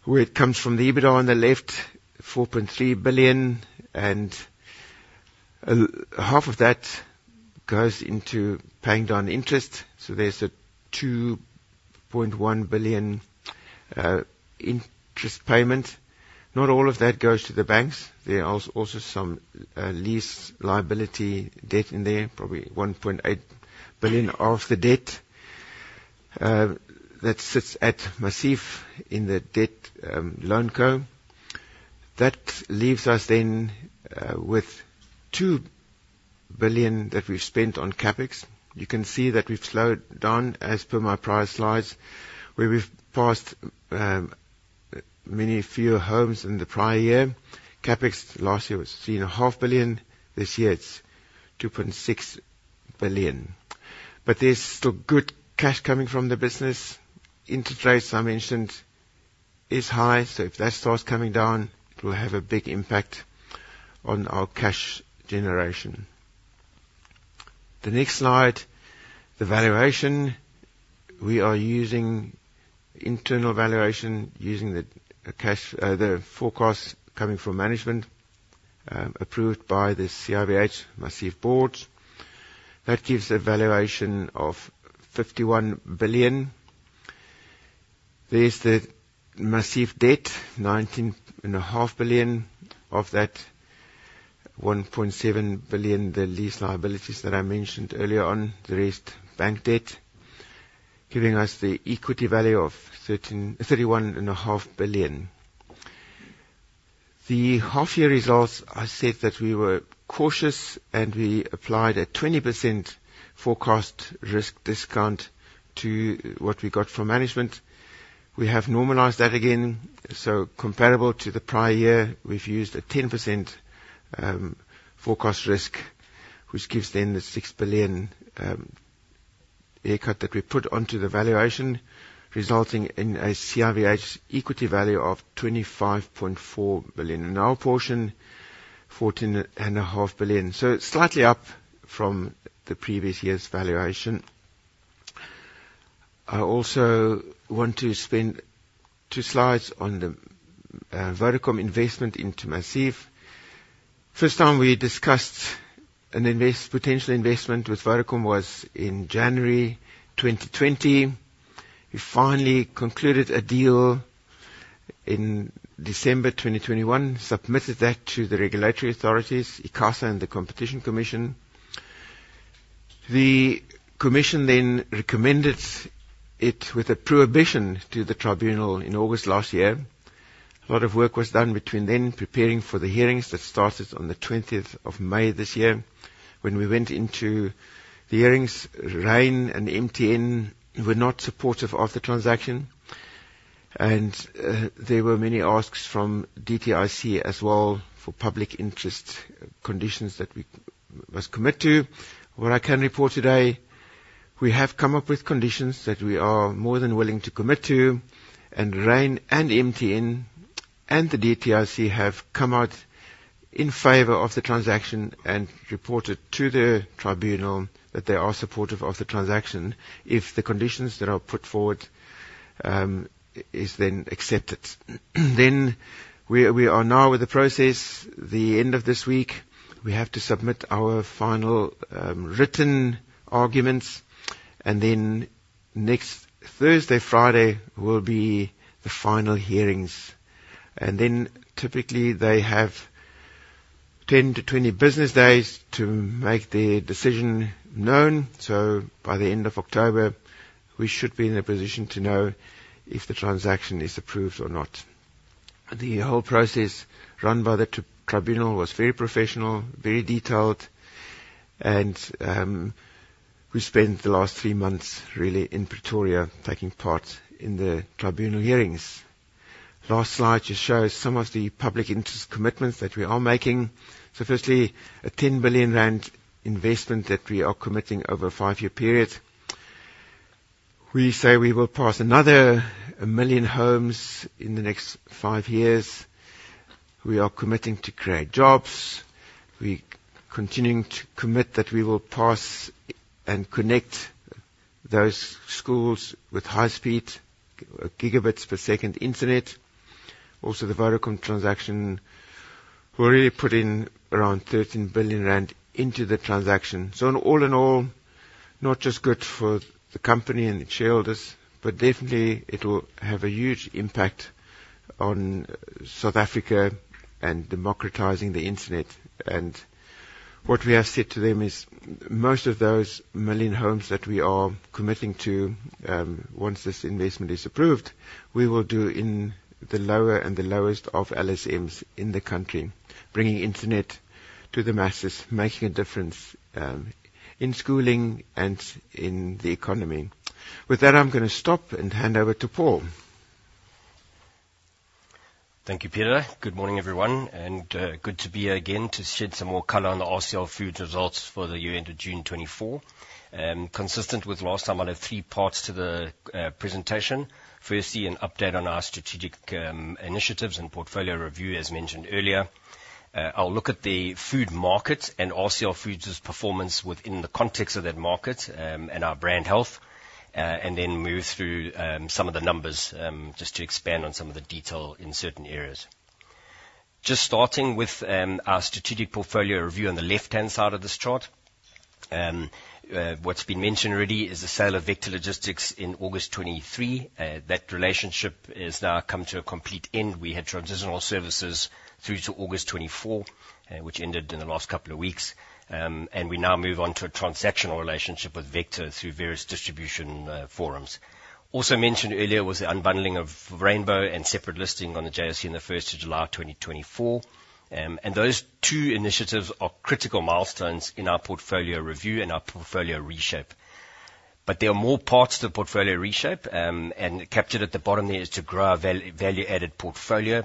E: where it comes from, the EBITDA on the left, 4.3 billion, and half of that goes into paying down interest. So there is a 2.1 billion interest payment. Not all of that goes to the banks. There are also some lease liability debt in there, probably 1.8 billion of the debt that sits at Maziv in the debt, loan co. That leaves us then with 2 billion that we've spent on CapEx. You can see that we've slowed down as per my prior slides, where we've passed many fewer homes in the prior year. CapEx last year was 3.5 billion. This year, it's 2.6 billion. But there's still good cash coming from the business. Interest rates I mentioned is high, so if that starts coming down, it will have a big impact on our cash generation. The next slide, the valuation. We are using internal valuation, using the cash the forecast coming from management approved by the CIVH Maziv board. That gives a valuation of 51 billion. There's the Maziv debt, 19.5 billion. Of that, 1.7 billion, the lease liabilities that I mentioned earlier on, the rest, bank debt, giving us the equity value of thirty-one and a half billion. The half-year results, I said that we were cautious, and we applied a 20% forecast risk discount to what we got from management. We have normalized that again, so comparable to the prior year, we've used a 10% forecast risk, which gives then the six billion haircut that we put onto the valuation, resulting in a CIVH equity value of twenty-five point four billion, and our portion, fourteen and a half billion. So slightly up from the previous year's valuation. I also want to spend two slides on the Vodacom investment into Maziv. First time we discussed a potential investment with Vodacom was in January 2020. We finally concluded a deal in December 2021, submitted that to the regulatory authorities, ICASA and the Competition Commission. The commission then recommended it with a prohibition to the tribunal in August last year. A lot of work was done between then, preparing for the hearings that started on the twentieth of May this year. When we went into the hearings, Rain and MTN were not supportive of the transaction, and there were many asks from DTIC as well, for public interest conditions that we must commit to. What I can report today, we have come up with conditions that we are more than willing to commit to, and Rain, and MTN, and the DTIC have come out in favor of the transaction and reported to the tribunal that they are supportive of the transaction if the conditions that are put forward is then accepted. Then we are now with the process. The end of this week, we have to submit our final written arguments, and then next Thursday, Friday, will be the final hearings. Then typically they have 10 to 20 business days to make their decision known. By the end of October, we should be in a position to know if the transaction is approved or not. The whole process run by the tribunal was very professional, very detailed, and we spent the last three months, really, in Pretoria, taking part in the tribunal hearings. Last slide just shows some of the public interest commitments that we are making. Firstly, a 10 billion rand investment that we are committing over a five-year period. We say we will pass another 1 million homes in the next five years. We are committing to create jobs. We're continuing to commit that we will pass and connect those schools with high-speed, gigabit-per-second internet. Also, the Vodacom transaction, we're really putting around 13 billion rand into the transaction. So in all, not just good for the company and the shareholders, but definitely it will have a huge impact on South Africa and democratizing the internet. And what we have said to them is, most of those 1 million homes that we are committing to, once this investment is approved, we will do in the lower and the lowest of LSMs in the country, bringing internet to the masses, making a difference in schooling and in the economy. With that, I'm gonna stop and hand over to Paul.
F: Thank you, Peter. Good morning, everyone, and good to be here again to shed some more color on the RCL Foods results for the year end of June 2024. Consistent with last time, I'll have three parts to the presentation. Firstly, an update on our strategic initiatives and portfolio review, as mentioned earlier. I'll look at the food market and RCL Foods's performance within the context of that market, and our brand health, and then move through some of the numbers, just to expand on some of the detail in certain areas. Just starting with our strategic portfolio review on the left-hand side of this chart. What's been mentioned already is the sale of Vector Logistics in August 2023. That relationship has now come to a complete end. We had transitional services through to August twenty-four, which ended in the last couple of weeks, and we now move on to a transactional relationship with Vector through various distribution forums. Also mentioned earlier was the unbundling of Rainbow and separate listing on the JSE on the first of July 2024. And those two initiatives are critical milestones in our portfolio review and our portfolio reshape. But there are more parts to the portfolio reshape, and captured at the bottom there is to grow our value-added portfolio,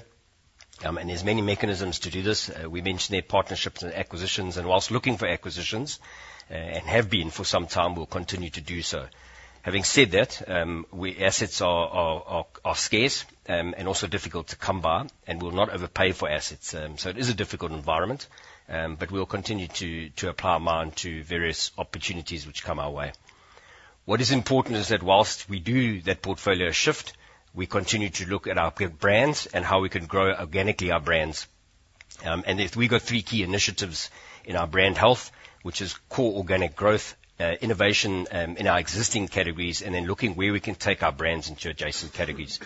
F: and there's many mechanisms to do this. We mentioned the partnerships and acquisitions, and whilst looking for acquisitions, and have been for some time, we'll continue to do so. Having said that, our assets are scarce, and also difficult to come by, and we'll not overpay for assets. So it is a difficult environment, but we'll continue to apply our mind to various opportunities which come our way. What is important is that while we do that portfolio shift, we continue to look at our brands and how we can grow organically our brands, and if we've got three key initiatives in our brand health, which is core organic growth, innovation, in our existing categories, and then looking where we can take our brands into adjacent categories.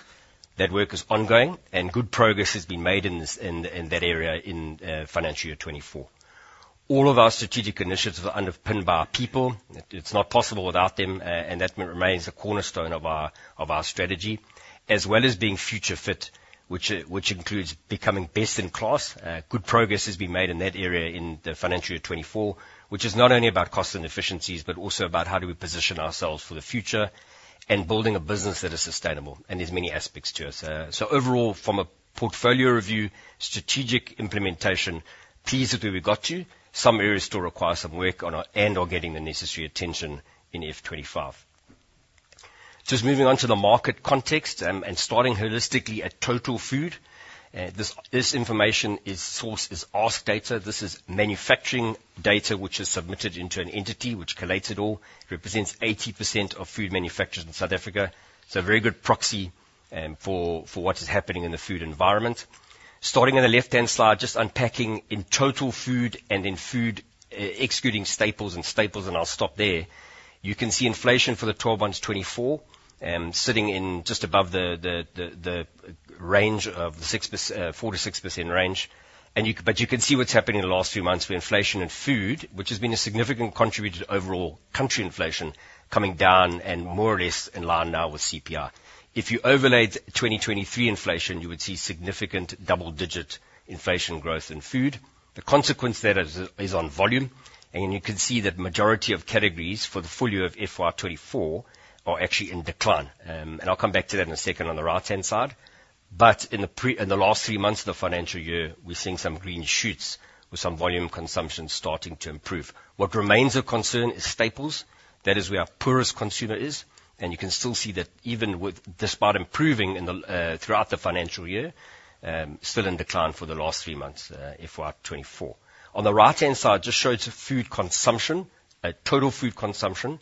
F: That work is ongoing, and good progress has been made in this, in that area in financial year 2024. All of our strategic initiatives are underpinned by our people. It's not possible without them, and that remains a cornerstone of our strategy, as well as being future fit, which includes becoming best in class. Good progress has been made in that area in the financial year twenty-four, which is not only about cost and efficiencies, but also about how do we position ourselves for the future and building a business that is sustainable, and there's many aspects to it. So overall, from a portfolio review, strategic implementation, pleased with where we got to. Some areas still require some work on our end or getting the necessary attention FY25. Just moving on to the market context, and starting holistically at total food. This information is sourced as ASK data. This is manufacturing data which is submitted into an entity which collates it all. Represents 80% of food manufacturers in South Africa, so a very good proxy, for what is happening in the food environment. Starting on the left-hand slide, just unpacking in total food and in food excluding staples and staples, and I'll stop there. You can see inflation for the twelve months, 2024, sitting in just above the range of the 6%, 4%-6% range. But you can see what's happened in the last few months with inflation and food, which has been a significant contributor to overall country inflation coming down and more or less in line now with CPI. If you overlaid 2023 inflation, you would see significant double-digit inflation growth in food. The consequence there is on volume, and you can see that majority of categories for the full year of FY 2024 are actually in decline. And I'll come back to that in a second on the right-hand side. But in the pre... In the last three months of the financial year, we're seeing some green shoots with some volume consumption starting to improve. What remains a concern is staples. That is where our poorest consumer is, and you can still see that even with despite improving in the, throughout the financial year, still in decline for the last three months, FY 2024. On the right-hand side, just shows food consumption, total food consumption,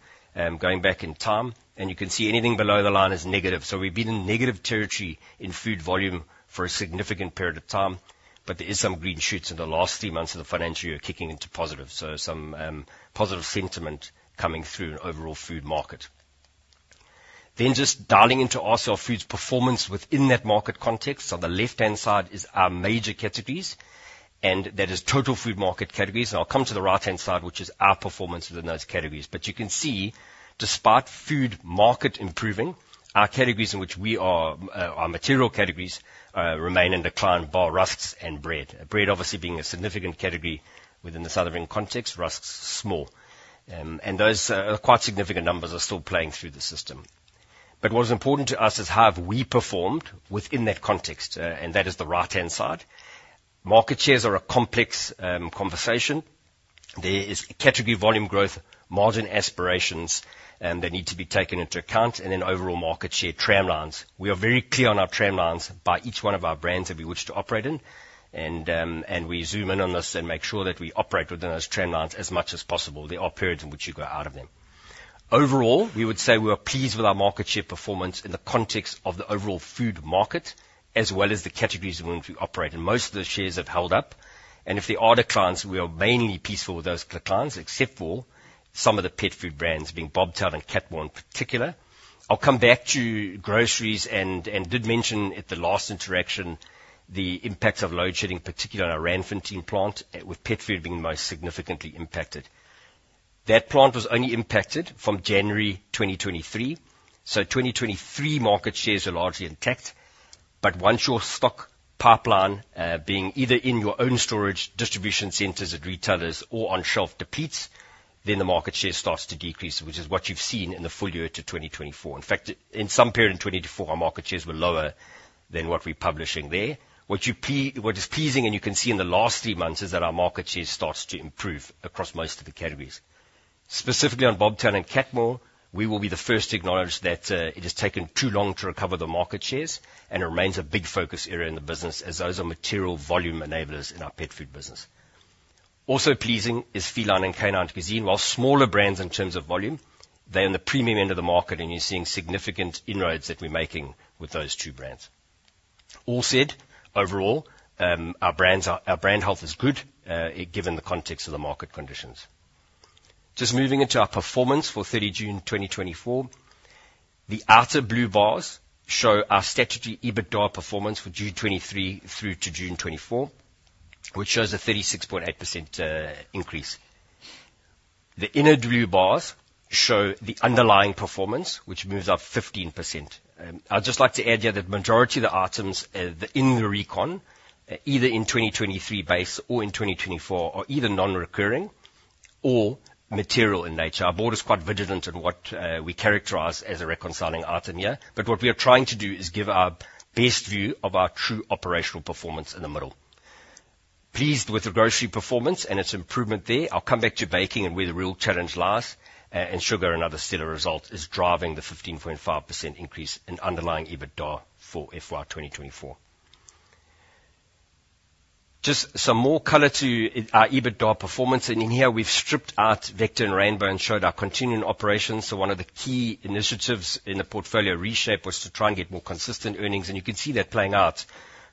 F: going back in time, and you can see anything below the line is negative. So we've been in negative territory in food volume for a significant period of time, but there is some green shoots in the last three months of the financial year kicking into positive. So some, positive sentiment coming through in overall food market. Then, just dialing into RCL Foods' performance within that market context. On the left-hand side is our major categories, and that is total food market categories. And I'll come to the right-hand side, which is our performance within those categories. But you can see, despite food market improving, our categories in which we are, our material categories, remain in decline, bar rusks and bread. Bread obviously being a significant category within the South African context, rusks, small. And those, quite significant numbers are still playing through the system. But what is important to us is how have we performed within that context, and that is the right-hand side. Market shares are a complex conversation. There is category volume growth, margin aspirations, that need to be taken into account, and then overall market share trend lines. We are very clear on our trend lines by each one of our brands that we wish to operate in, and we zoom in on this and make sure that we operate within those trend lines as much as possible. There are periods in which you go out of them. Overall, we would say we are pleased with our market share performance in the context of the overall food market, as well as the categories in which we operate, and most of the shares have held up, and if there are declines, we are mainly pleased with those declines, except for some of the pet food brands, being Bobtail and Catmor in particular. I'll come back to groceries and did mention at the last interaction the impact of load shedding, particularly on our Randfontein plant, with pet food being most significantly impacted. That plant was only impacted from January 2023, so 2023 market shares are largely intact, but once your stock pipeline, being either in your own storage, distribution centers at retailers or on shelf depletes, then the market share starts to decrease, which is what you've seen in the full year to 2024. In fact, in some period in 2024, our market shares were lower than what we're publishing there. What is pleasing, and you can see in the last three months, is that our market share starts to improve across most of the categories. Specifically on Bobtail and Catmore, we will be the first to acknowledge that, it has taken too long to recover the market shares and remains a big focus area in the business, as those are material volume enablers in our pet food business. Also pleasing is Feline and Canine Cuisine. While smaller brands in terms of volume, they're in the premium end of the market, and you're seeing significant inroads that we're making with those two brands. All said, overall, our brands are... Our brand health is good, given the context of the market conditions. Just moving into our performance for 30 June 2024. The outer blue bars show our statutory EBITDA performance for June 2023 through to June 2024, which shows a 36.8% increase. The inner blue bars show the underlying performance, which moves up 15%. I'd just like to add here that majority of the items in the recon, either in 2023 base or in 2024, are either non-recurring or material in nature. Our board is quite vigilant in what we characterize as a reconciling item here, but what we are trying to do is give our best view of our true operational performance in the middle. Pleased with the grocery performance and its improvement there. I'll come back to baking and where the real challenge lies, and sugar, another stellar result, is driving the 15.5% increase in underlying EBITDA for FY 2024. Just some more color to our EBITDA performance, and in here we've stripped out Vector and Rainbow and showed our continuing operations. So one of the key initiatives in the portfolio reshape was to try and get more consistent earnings, and you can see that playing out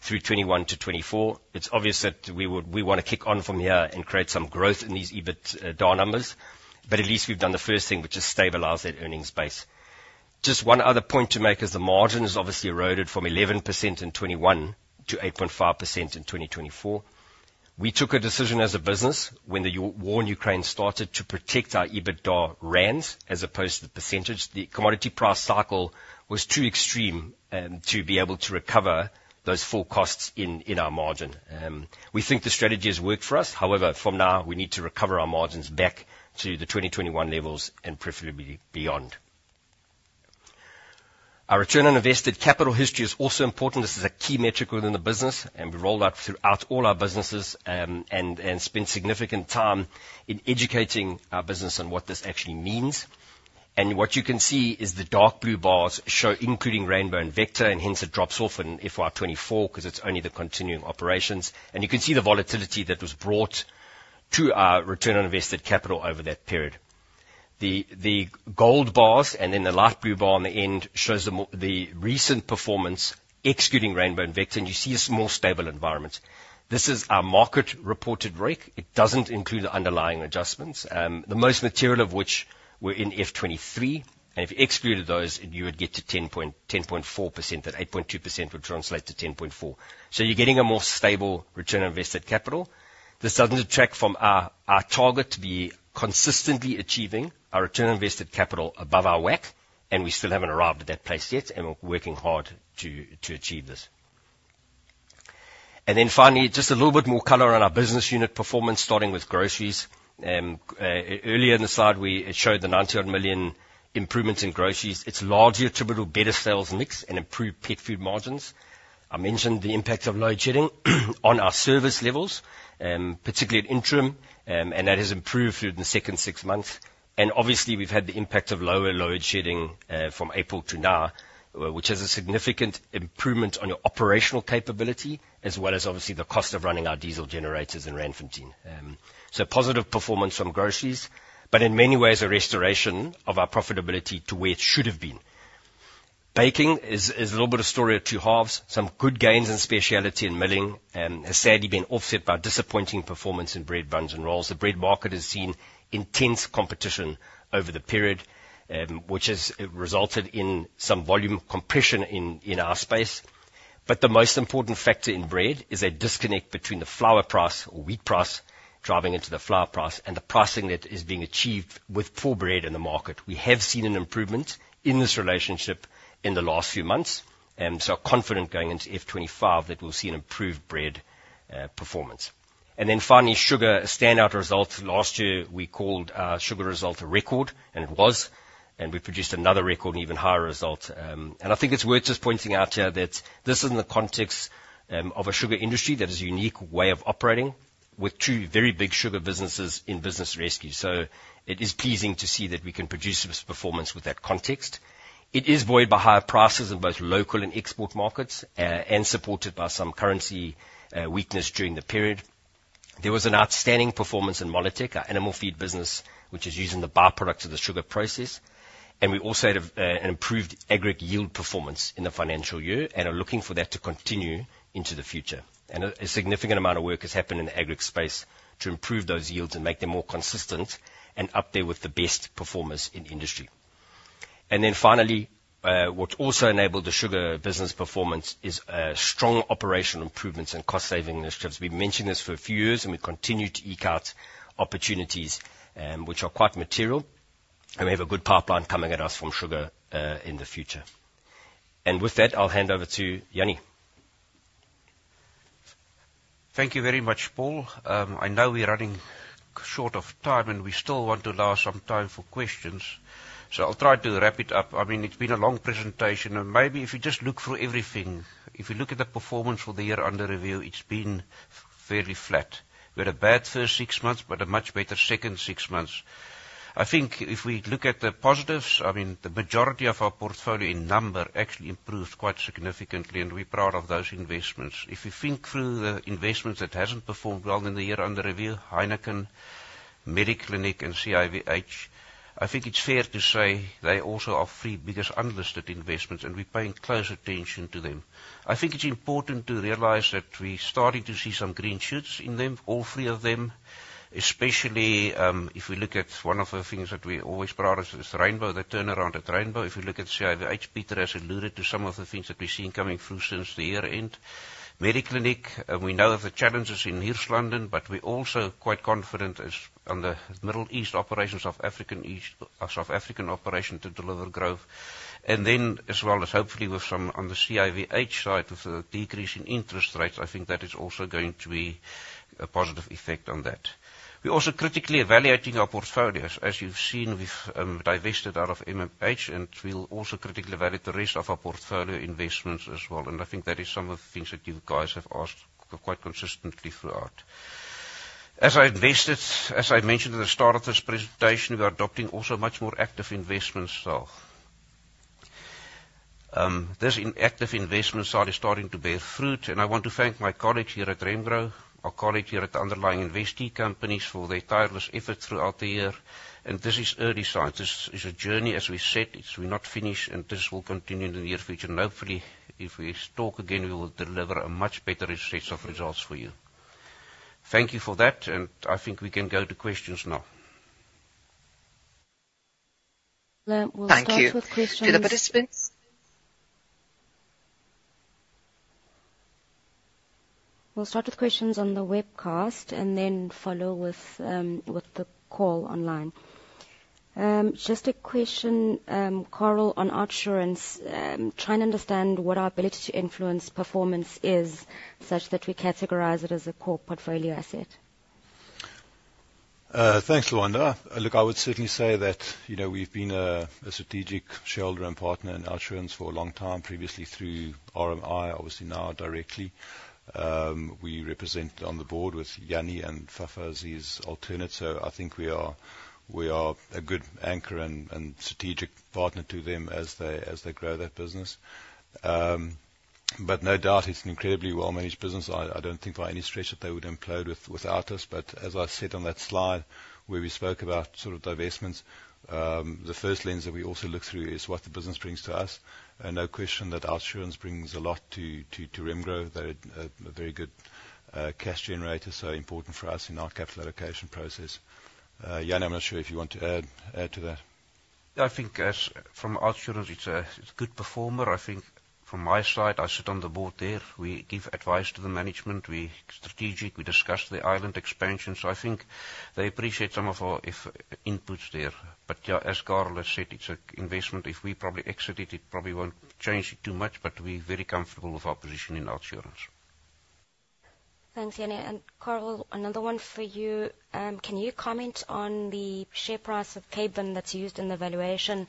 F: through 2021 to 2024. It's obvious that we would-- we wanna kick on from here and create some growth in these EBITDA numbers. But at least we've done the first thing, which is stabilize that earnings base. Just one other point to make is the margin is obviously eroded from 11% in 2021 to 8.5% in 2024. We took a decision as a business when the war in Ukraine started to protect our EBITDA rands, as opposed to the percentage. The commodity price cycle was too extreme, to be able to recover those full costs in our margin. We think the strategy has worked for us. However, from now, we need to recover our margins back to the 2021 levels and preferably beyond. Our return on invested capital history is also important. This is a key metric within the business, and we rolled out throughout all our businesses, and spent significant time in educating our business on what this actually means. What you can see is the dark blue bars show, including Rainbow and Vector, and hence it drops off in FY 2024 because it's only the continuing operations. You can see the volatility that was brought to our return on invested capital over that period. The gold bars, and then the light blue bar on the end, shows the recent performance, exiting Rainbow and Vector, and you see a small, stable environment. This is our market-reported ROIC. It doesn't include the underlying adjustments, the most material of which were in FY 2023, and if you excluded those, you would get to 10.4%. That 8.2% would translate to 10.4. You're getting a more stable return on invested capital. This doesn't detract from our target to be consistently achieving our return on invested capital above our WACC, and we still haven't arrived at that place yet, and we're working hard to achieve this. Then finally, just a little bit more color on our business unit performance, starting with groceries. Earlier in the slide, we showed the ninety-one million improvements in groceries. It's largely attributable to better sales mix and improved pet food margins. I mentioned the impact of load shedding on our service levels, particularly at interim, and that has improved through the second six months. And obviously, we've had the impact of lower load shedding, from April to now, which has a significant improvement on your operational capability, as well as obviously the cost of running our diesel generators in Randfontein. Positive performance from groceries, but in many ways a restoration of our profitability to where it should have been. Baking is a little bit of a story of two halves. Some good gains in specialty and milling has sadly been offset by disappointing performance in bread, buns, and rolls. The bread market has seen intense competition over the period, which has resulted in some volume compression in our space. But the most important factor in bread is a disconnect between the flour price or wheat price, driving into the flour price and the pricing that is being achieved with full bread in the market. We have seen an improvement in this relationship in the last few months, and so are confident going into F twenty-five that we'll see an improved bread performance. Then finally, sugar, a standout result. Last year, we called our sugar result a record, and it was, and we produced another record, an even higher result. And I think it's worth just pointing out here that this is in the context of a sugar industry that has a unique way of operating with two very big sugar businesses in business rescue. So it is pleasing to see that we can produce this performance with that context. It is buoyed by higher prices in both local and export markets, and supported by some currency weakness during the period. There was an outstanding performance in Molatek, our animal feed business, which is using the byproducts of the sugar process. And we also had an improved agric yield performance in the financial year, and are looking for that to continue into the future. A significant amount of work has happened in the agric space to improve those yields and make them more consistent and up there with the best performers in the industry. Finally, what also enabled the sugar business performance is strong operational improvements and cost-saving initiatives. We've mentioned this for a few years, and we continue to eke out opportunities, which are quite material, and we have a good pipeline coming at us from sugar in the future. With that, I'll hand over to Jannie.
B: Thank you very much, Paul. I know we're running short of time, and we still want to allow some time for questions, so I'll try to wrap it up. I mean, it's been a long presentation, and maybe if you just look through everything, if you look at the performance for the year under review, it's been fairly flat. We had a bad first six months, but a much better second six months. I think if we look at the positives, I mean, the majority of our portfolio in number actually improved quite significantly, and we're proud of those investments. If you think through the investments that hasn't performed well in the year under review, Heineken, Mediclinic, and CIVH, I think it's fair to say they also are our three biggest unlisted investments, and we're paying close attention to them. I think it's important to realize that we're starting to see some green shoots in them, all three of them, especially, if we look at one of the things that we always proud of is Rainbow, the turnaround at Rainbow. If you look at CIVH, Peter has alluded to some of the things that we've seen coming through since the year end. Mediclinic, we know of the challenges in Hirslanden, but we're also quite confident in the Middle East operations, South Africa, South African operations to deliver growth. And then as well as hopefully with some on the CIVH side, with the decrease in interest rates, I think that is also going to be a positive effect on that. We're also critically evaluating our portfolios. As you've seen, we've divested out of MMH, and we'll also critically evaluate the rest of our portfolio investments as well, and I think that is some of the things that you guys have asked quite consistently throughout. As I mentioned at the start of this presentation, we are adopting also a much more active investment style. This active investment side is starting to bear fruit, and I want to thank my colleagues here at Remgro, our colleagues here at the underlying investee companies, for their tireless effort throughout the year. And this is early signs. This is a journey, as we said, it's we're not finished, and this will continue in the near future. And hopefully, if we talk again, we will deliver a much better set of results for you. Thank you for that, and I think we can go to questions now.
G: Well, we'll start with questions-
C: Thank you to the participants.
G: We'll start with questions on the webcast and then follow with the call online. Just a question, Carel, on Outsurance. Trying to understand what our ability to influence performance is, such that we categorize it as a core portfolio asset.
C: Thanks, Lwanda. Look, I would certainly say that, you know, we've been a strategic shareholder and partner in Outsurance for a long time, previously through RMI, obviously now directly. We represent on the board with Jannie and Fafa as his alternate, so I think we are a good anchor and strategic partner to them as they grow their business. But no doubt, it's an incredibly well-managed business. I don't think by any stretch that they would implode without us, but as I said on that slide, where we spoke about sort of divestments, the first lens that we also look through is what the business brings to us. No question that Outsurance brings a lot to Remgro. They're a very good cash generator, so important for us in our capital allocation process. Jannie, I'm not sure if you want to add to that.
B: I think as from OUTsurance, it's a good performer. I think from my side, I sit on the board there. We give advice to the management, we're strategic, we discuss the Ireland expansion. So I think they appreciate some of our efforts and inputs there. But, yeah, as Carel has said, it's an investment. If we probably exit it, it probably won't change it too much, but we're very comfortable with our position in OUTsurance.
G: Thanks, Jannie, and Carel, another one for you. Can you comment on the share price of Capevin that's used in the valuation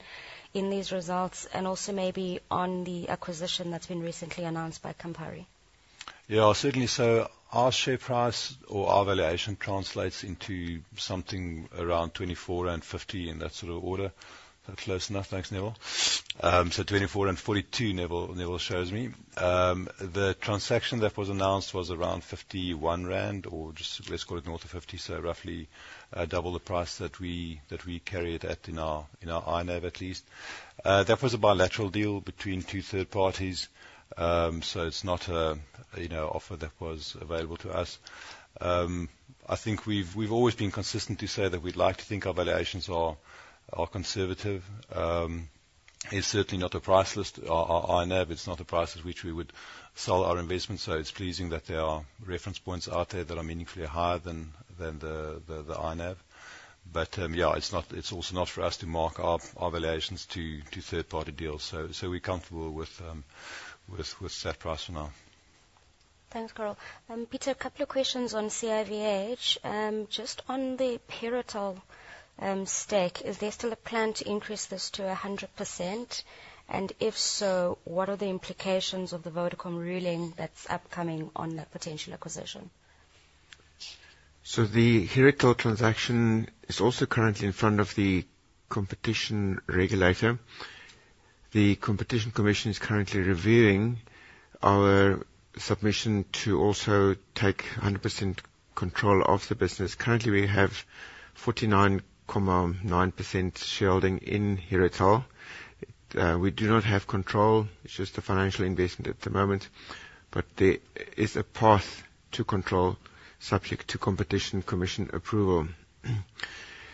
G: in these results, and also maybe on the acquisition that's been recently announced by Campari?
C: Yeah, certainly. So our share price or our valuation translates into something around 24.50, in that sort of order. Close enough. Thanks, Neville. So 24.42, Neville shows me. The transaction that was announced was around 51 rand, or just let's call it north of 50, so roughly, double the price that we carry it at in our INAV, at least. That was a bilateral deal between two third parties. So it's not a, you know, offer that was available to us. I think we've always been consistent to say that we'd like to think our valuations are conservative. It's certainly not a price list. Our INAV, it's not a price at which we would sell our investment, so it's pleasing that there are reference points out there that are meaningfully higher than the INAV. But, yeah, it's not. It's also not for us to mark our valuations to third-party deals. So we're comfortable with that price for now.
G: Thanks, Carel. Pieter, a couple of questions on CIVH. Just on the Herotel stake, is there still a plan to increase this to 100%? And if so, what are the implications of the Vodacom ruling that's upcoming on that potential acquisition?
E: So the Herotel transaction is also currently in front of the competition regulator. The Competition Commission is currently reviewing our submission to also take 100% control of the business. Currently, we have 49.9% shareholding in Herotel. We do not have control. It's just a financial investment at the moment, but there is a path to control, subject to Competition Commission approval.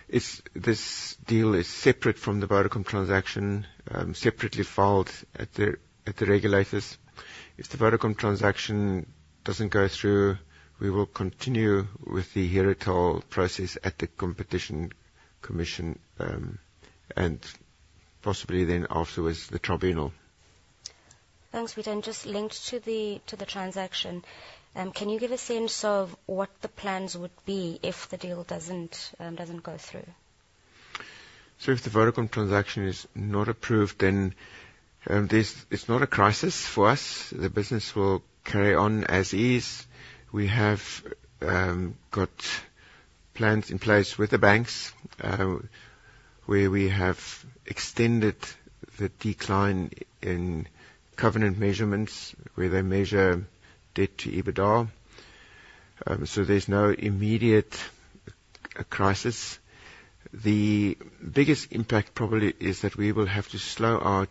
E: This, this deal is separate from the Vodacom transaction, separately filed at the regulators. If the Vodacom transaction doesn't go through, we will continue with the Herotel process at the Competition Commission, and possibly then afterwards, the tribunal.
G: Thanks, Peter. And just linked to the transaction, can you give a sense of what the plans would be if the deal doesn't go through?
E: So if the Vodacom transaction is not approved, then, there's. It's not a crisis for us. The business will carry on as is. We have got plans in place with the banks, where we have extended the deadline in covenant measurements, where they measure debt to EBITDA. So there's no immediate crisis. The biggest impact probably is that we will have to slow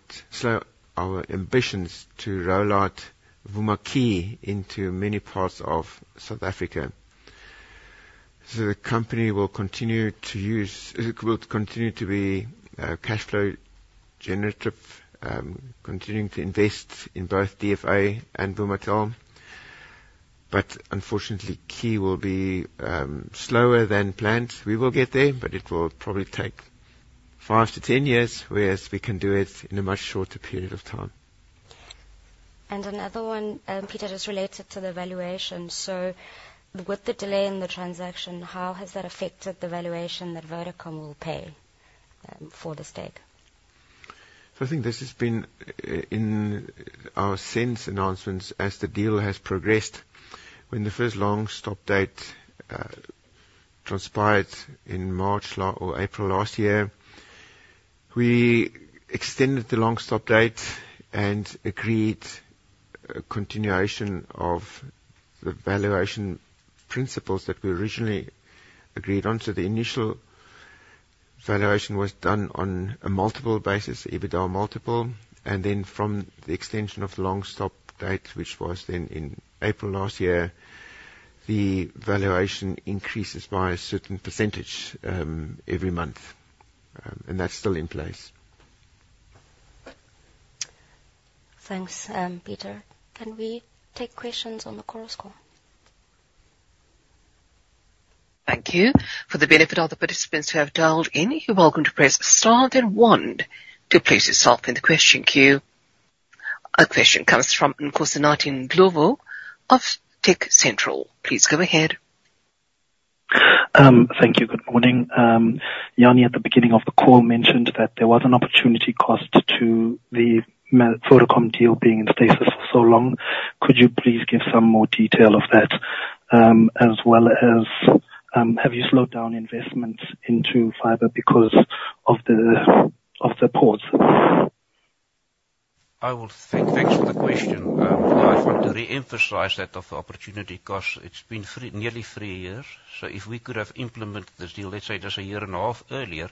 E: our ambitions to roll out Vuma Key into many parts of South Africa. So the company will continue. It will continue to be cashflow generative, continuing to invest in both DFA and Vumatel. But unfortunately, Key will be slower than planned. We will get there, but it will probably take five to 10 years, whereas we can do it in a much shorter period of time.
G: Another one, Peter, just related to the valuation. With the delay in the transaction, how has that affected the valuation that Vodacom will pay for the stake?
E: So I think this has been, in our sense, announcements as the deal has progressed. When the first long stop date transpired in March or April last year, we extended the long stop date and agreed a continuation of the valuation principles that we originally agreed on. So the initial valuation was done on a multiple basis, EBITDA multiple, and then from the extension of the long stop date, which was then in April last year, the valuation increases by a certain percentage, every month, and that's still in place.
G: Thanks, Pieter. Can we take questions on the call now?
A: Thank you. For the benefit of the participants who have dialed in, you're welcome to press star then one to place yourself in the question queue. Our question comes from Nkosinathi Nkomo of TechCentral. Please go ahead.
H: Thank you. Good morning. Jannie, at the beginning of the call, mentioned that there was an opportunity cost to the Vodacom deal being in stasis for so long. Could you please give some more detail of that? As well as, have you slowed down investments into fiber because of the pause?
B: I will. Thanks, thanks for the question. I want to reemphasize that of the opportunity cost. It's been nearly three years. So if we could have implemented this deal, let's say, just a year and a half earlier,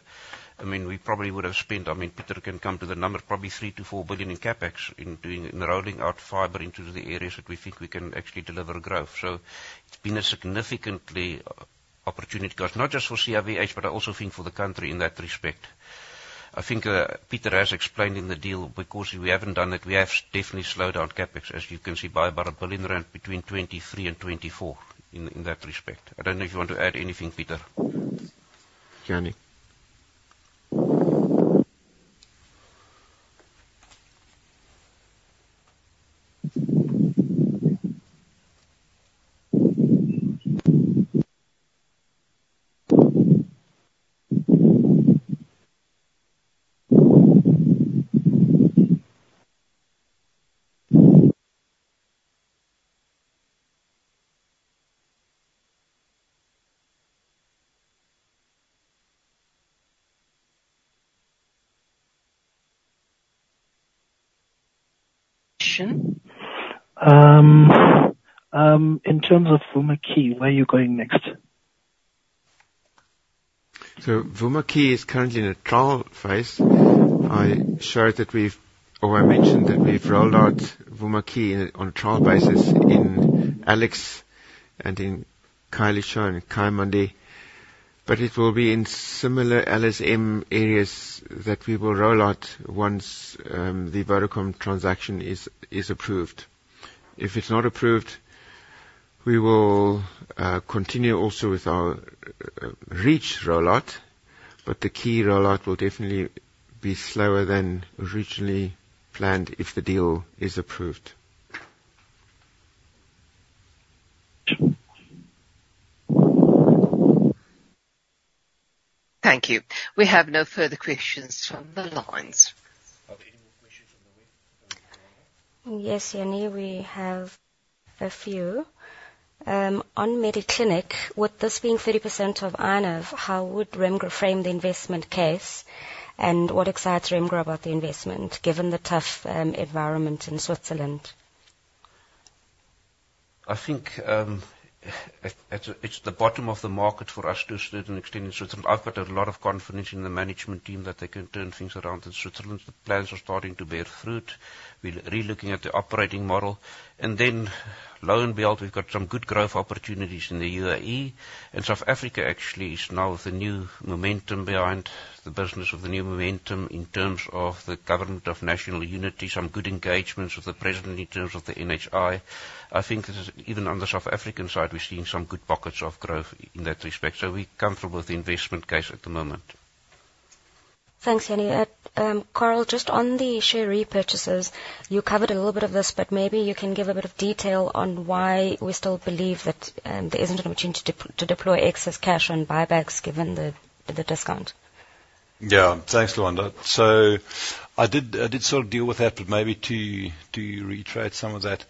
B: I mean, we probably would have spent, I mean, Peter can come to the number, probably 3 billion-4 billion in CapEx in doing, in rolling out fiber into the areas that we think we can actually deliver growth. So it's been a significant opportunity cost, not just for CIVH, but I also think for the country in that respect. I think, Peter has explained in the deal, because we haven't done it, we have definitely slowed down CapEx, as you can see, by about a billion rand between 2023 and 2024 in that respect. I don't know if you want to add anything, Peter.
E: Jannie.
H: In terms of Vuma Core, where are you going next?
E: So Vuma Key is currently in a trial phase. I showed that we've or I mentioned that we've rolled out Vuma Key in, on a trial basis in Alex and in Khayelitsha and Kayamandi, but it will be in similar LSM areas that we will roll out once the Vodacom transaction is approved. If it's not approved, we will continue also with our reach rollout, but the key rollout will definitely be slower than originally planned if the deal is approved.
A: Thank you. We have no further questions from the lines.
G: Yes, Jannie, we have a few. On Mediclinic, with this being 30% of INAV, how would Remgro frame the investment case, and what excites Remgro about the investment, given the tough environment in Switzerland?
B: I think it's the bottom of the market for us to a certain extent in Switzerland. I've got a lot of confidence in the management team that they can turn things around in Switzerland. The plans are starting to bear fruit. We're relooking at the operating model, and then lo and behold, we've got some good growth opportunities in the UAE. South Africa actually is now with the new momentum behind the business, or the new momentum in terms of the government of national unity, some good engagements with the president in terms of the NHI. I think even on the South African side, we're seeing some good pockets of growth in that respect. We're comfortable with the investment case at the moment.
G: Thanks, Jannie. Carel, just on the share repurchases, you covered a little bit of this, but maybe you can give a bit of detail on why we still believe that there isn't an opportunity to deploy excess cash on buybacks given the discount.
C: Yeah. Thanks, Lwanda. So I did sort of deal with that, but maybe to reiterate some of that.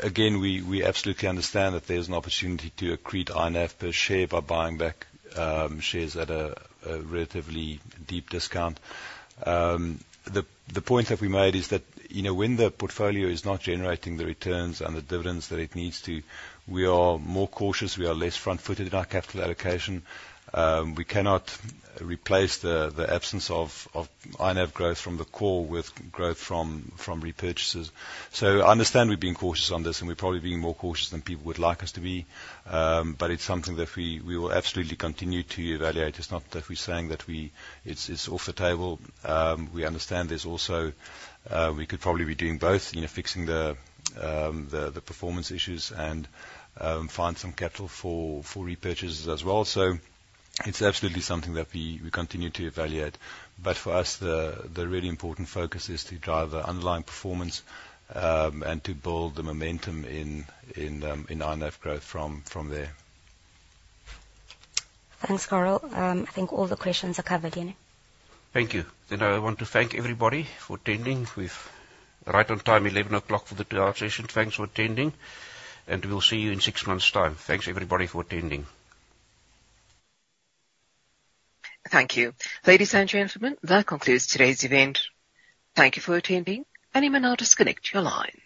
C: Again, we absolutely understand that there's an opportunity to accrete INAV per share by buying back shares at a relatively deep discount. The point that we made is that, you know, when the portfolio is not generating the returns and the dividends that it needs to, we are more cautious, we are less front-footed in our capital allocation. We cannot replace the absence of INAV growth from the core with growth from repurchases. So I understand we're being cautious on this, and we're probably being more cautious than people would like us to be. But it's something that we will absolutely continue to evaluate. It's not that we're saying that we... It's off the table. We understand there's also. We could probably be doing both, you know, fixing the performance issues and find some capital for repurchases as well. So it's absolutely something that we continue to evaluate, but for us, the really important focus is to drive the underlying performance and to build the momentum in INAV growth from there.
G: Thanks, Carel. I think all the questions are covered, Jannie.
B: Thank you. Then I want to thank everybody for attending. We're right on time, eleven o'clock for the two-hour session. Thanks for attending, and we'll see you in six months' time. Thanks, everybody, for attending.
A: Thank you. Ladies and gentlemen, that concludes today's event. Thank you for attending, and you may now disconnect your lines.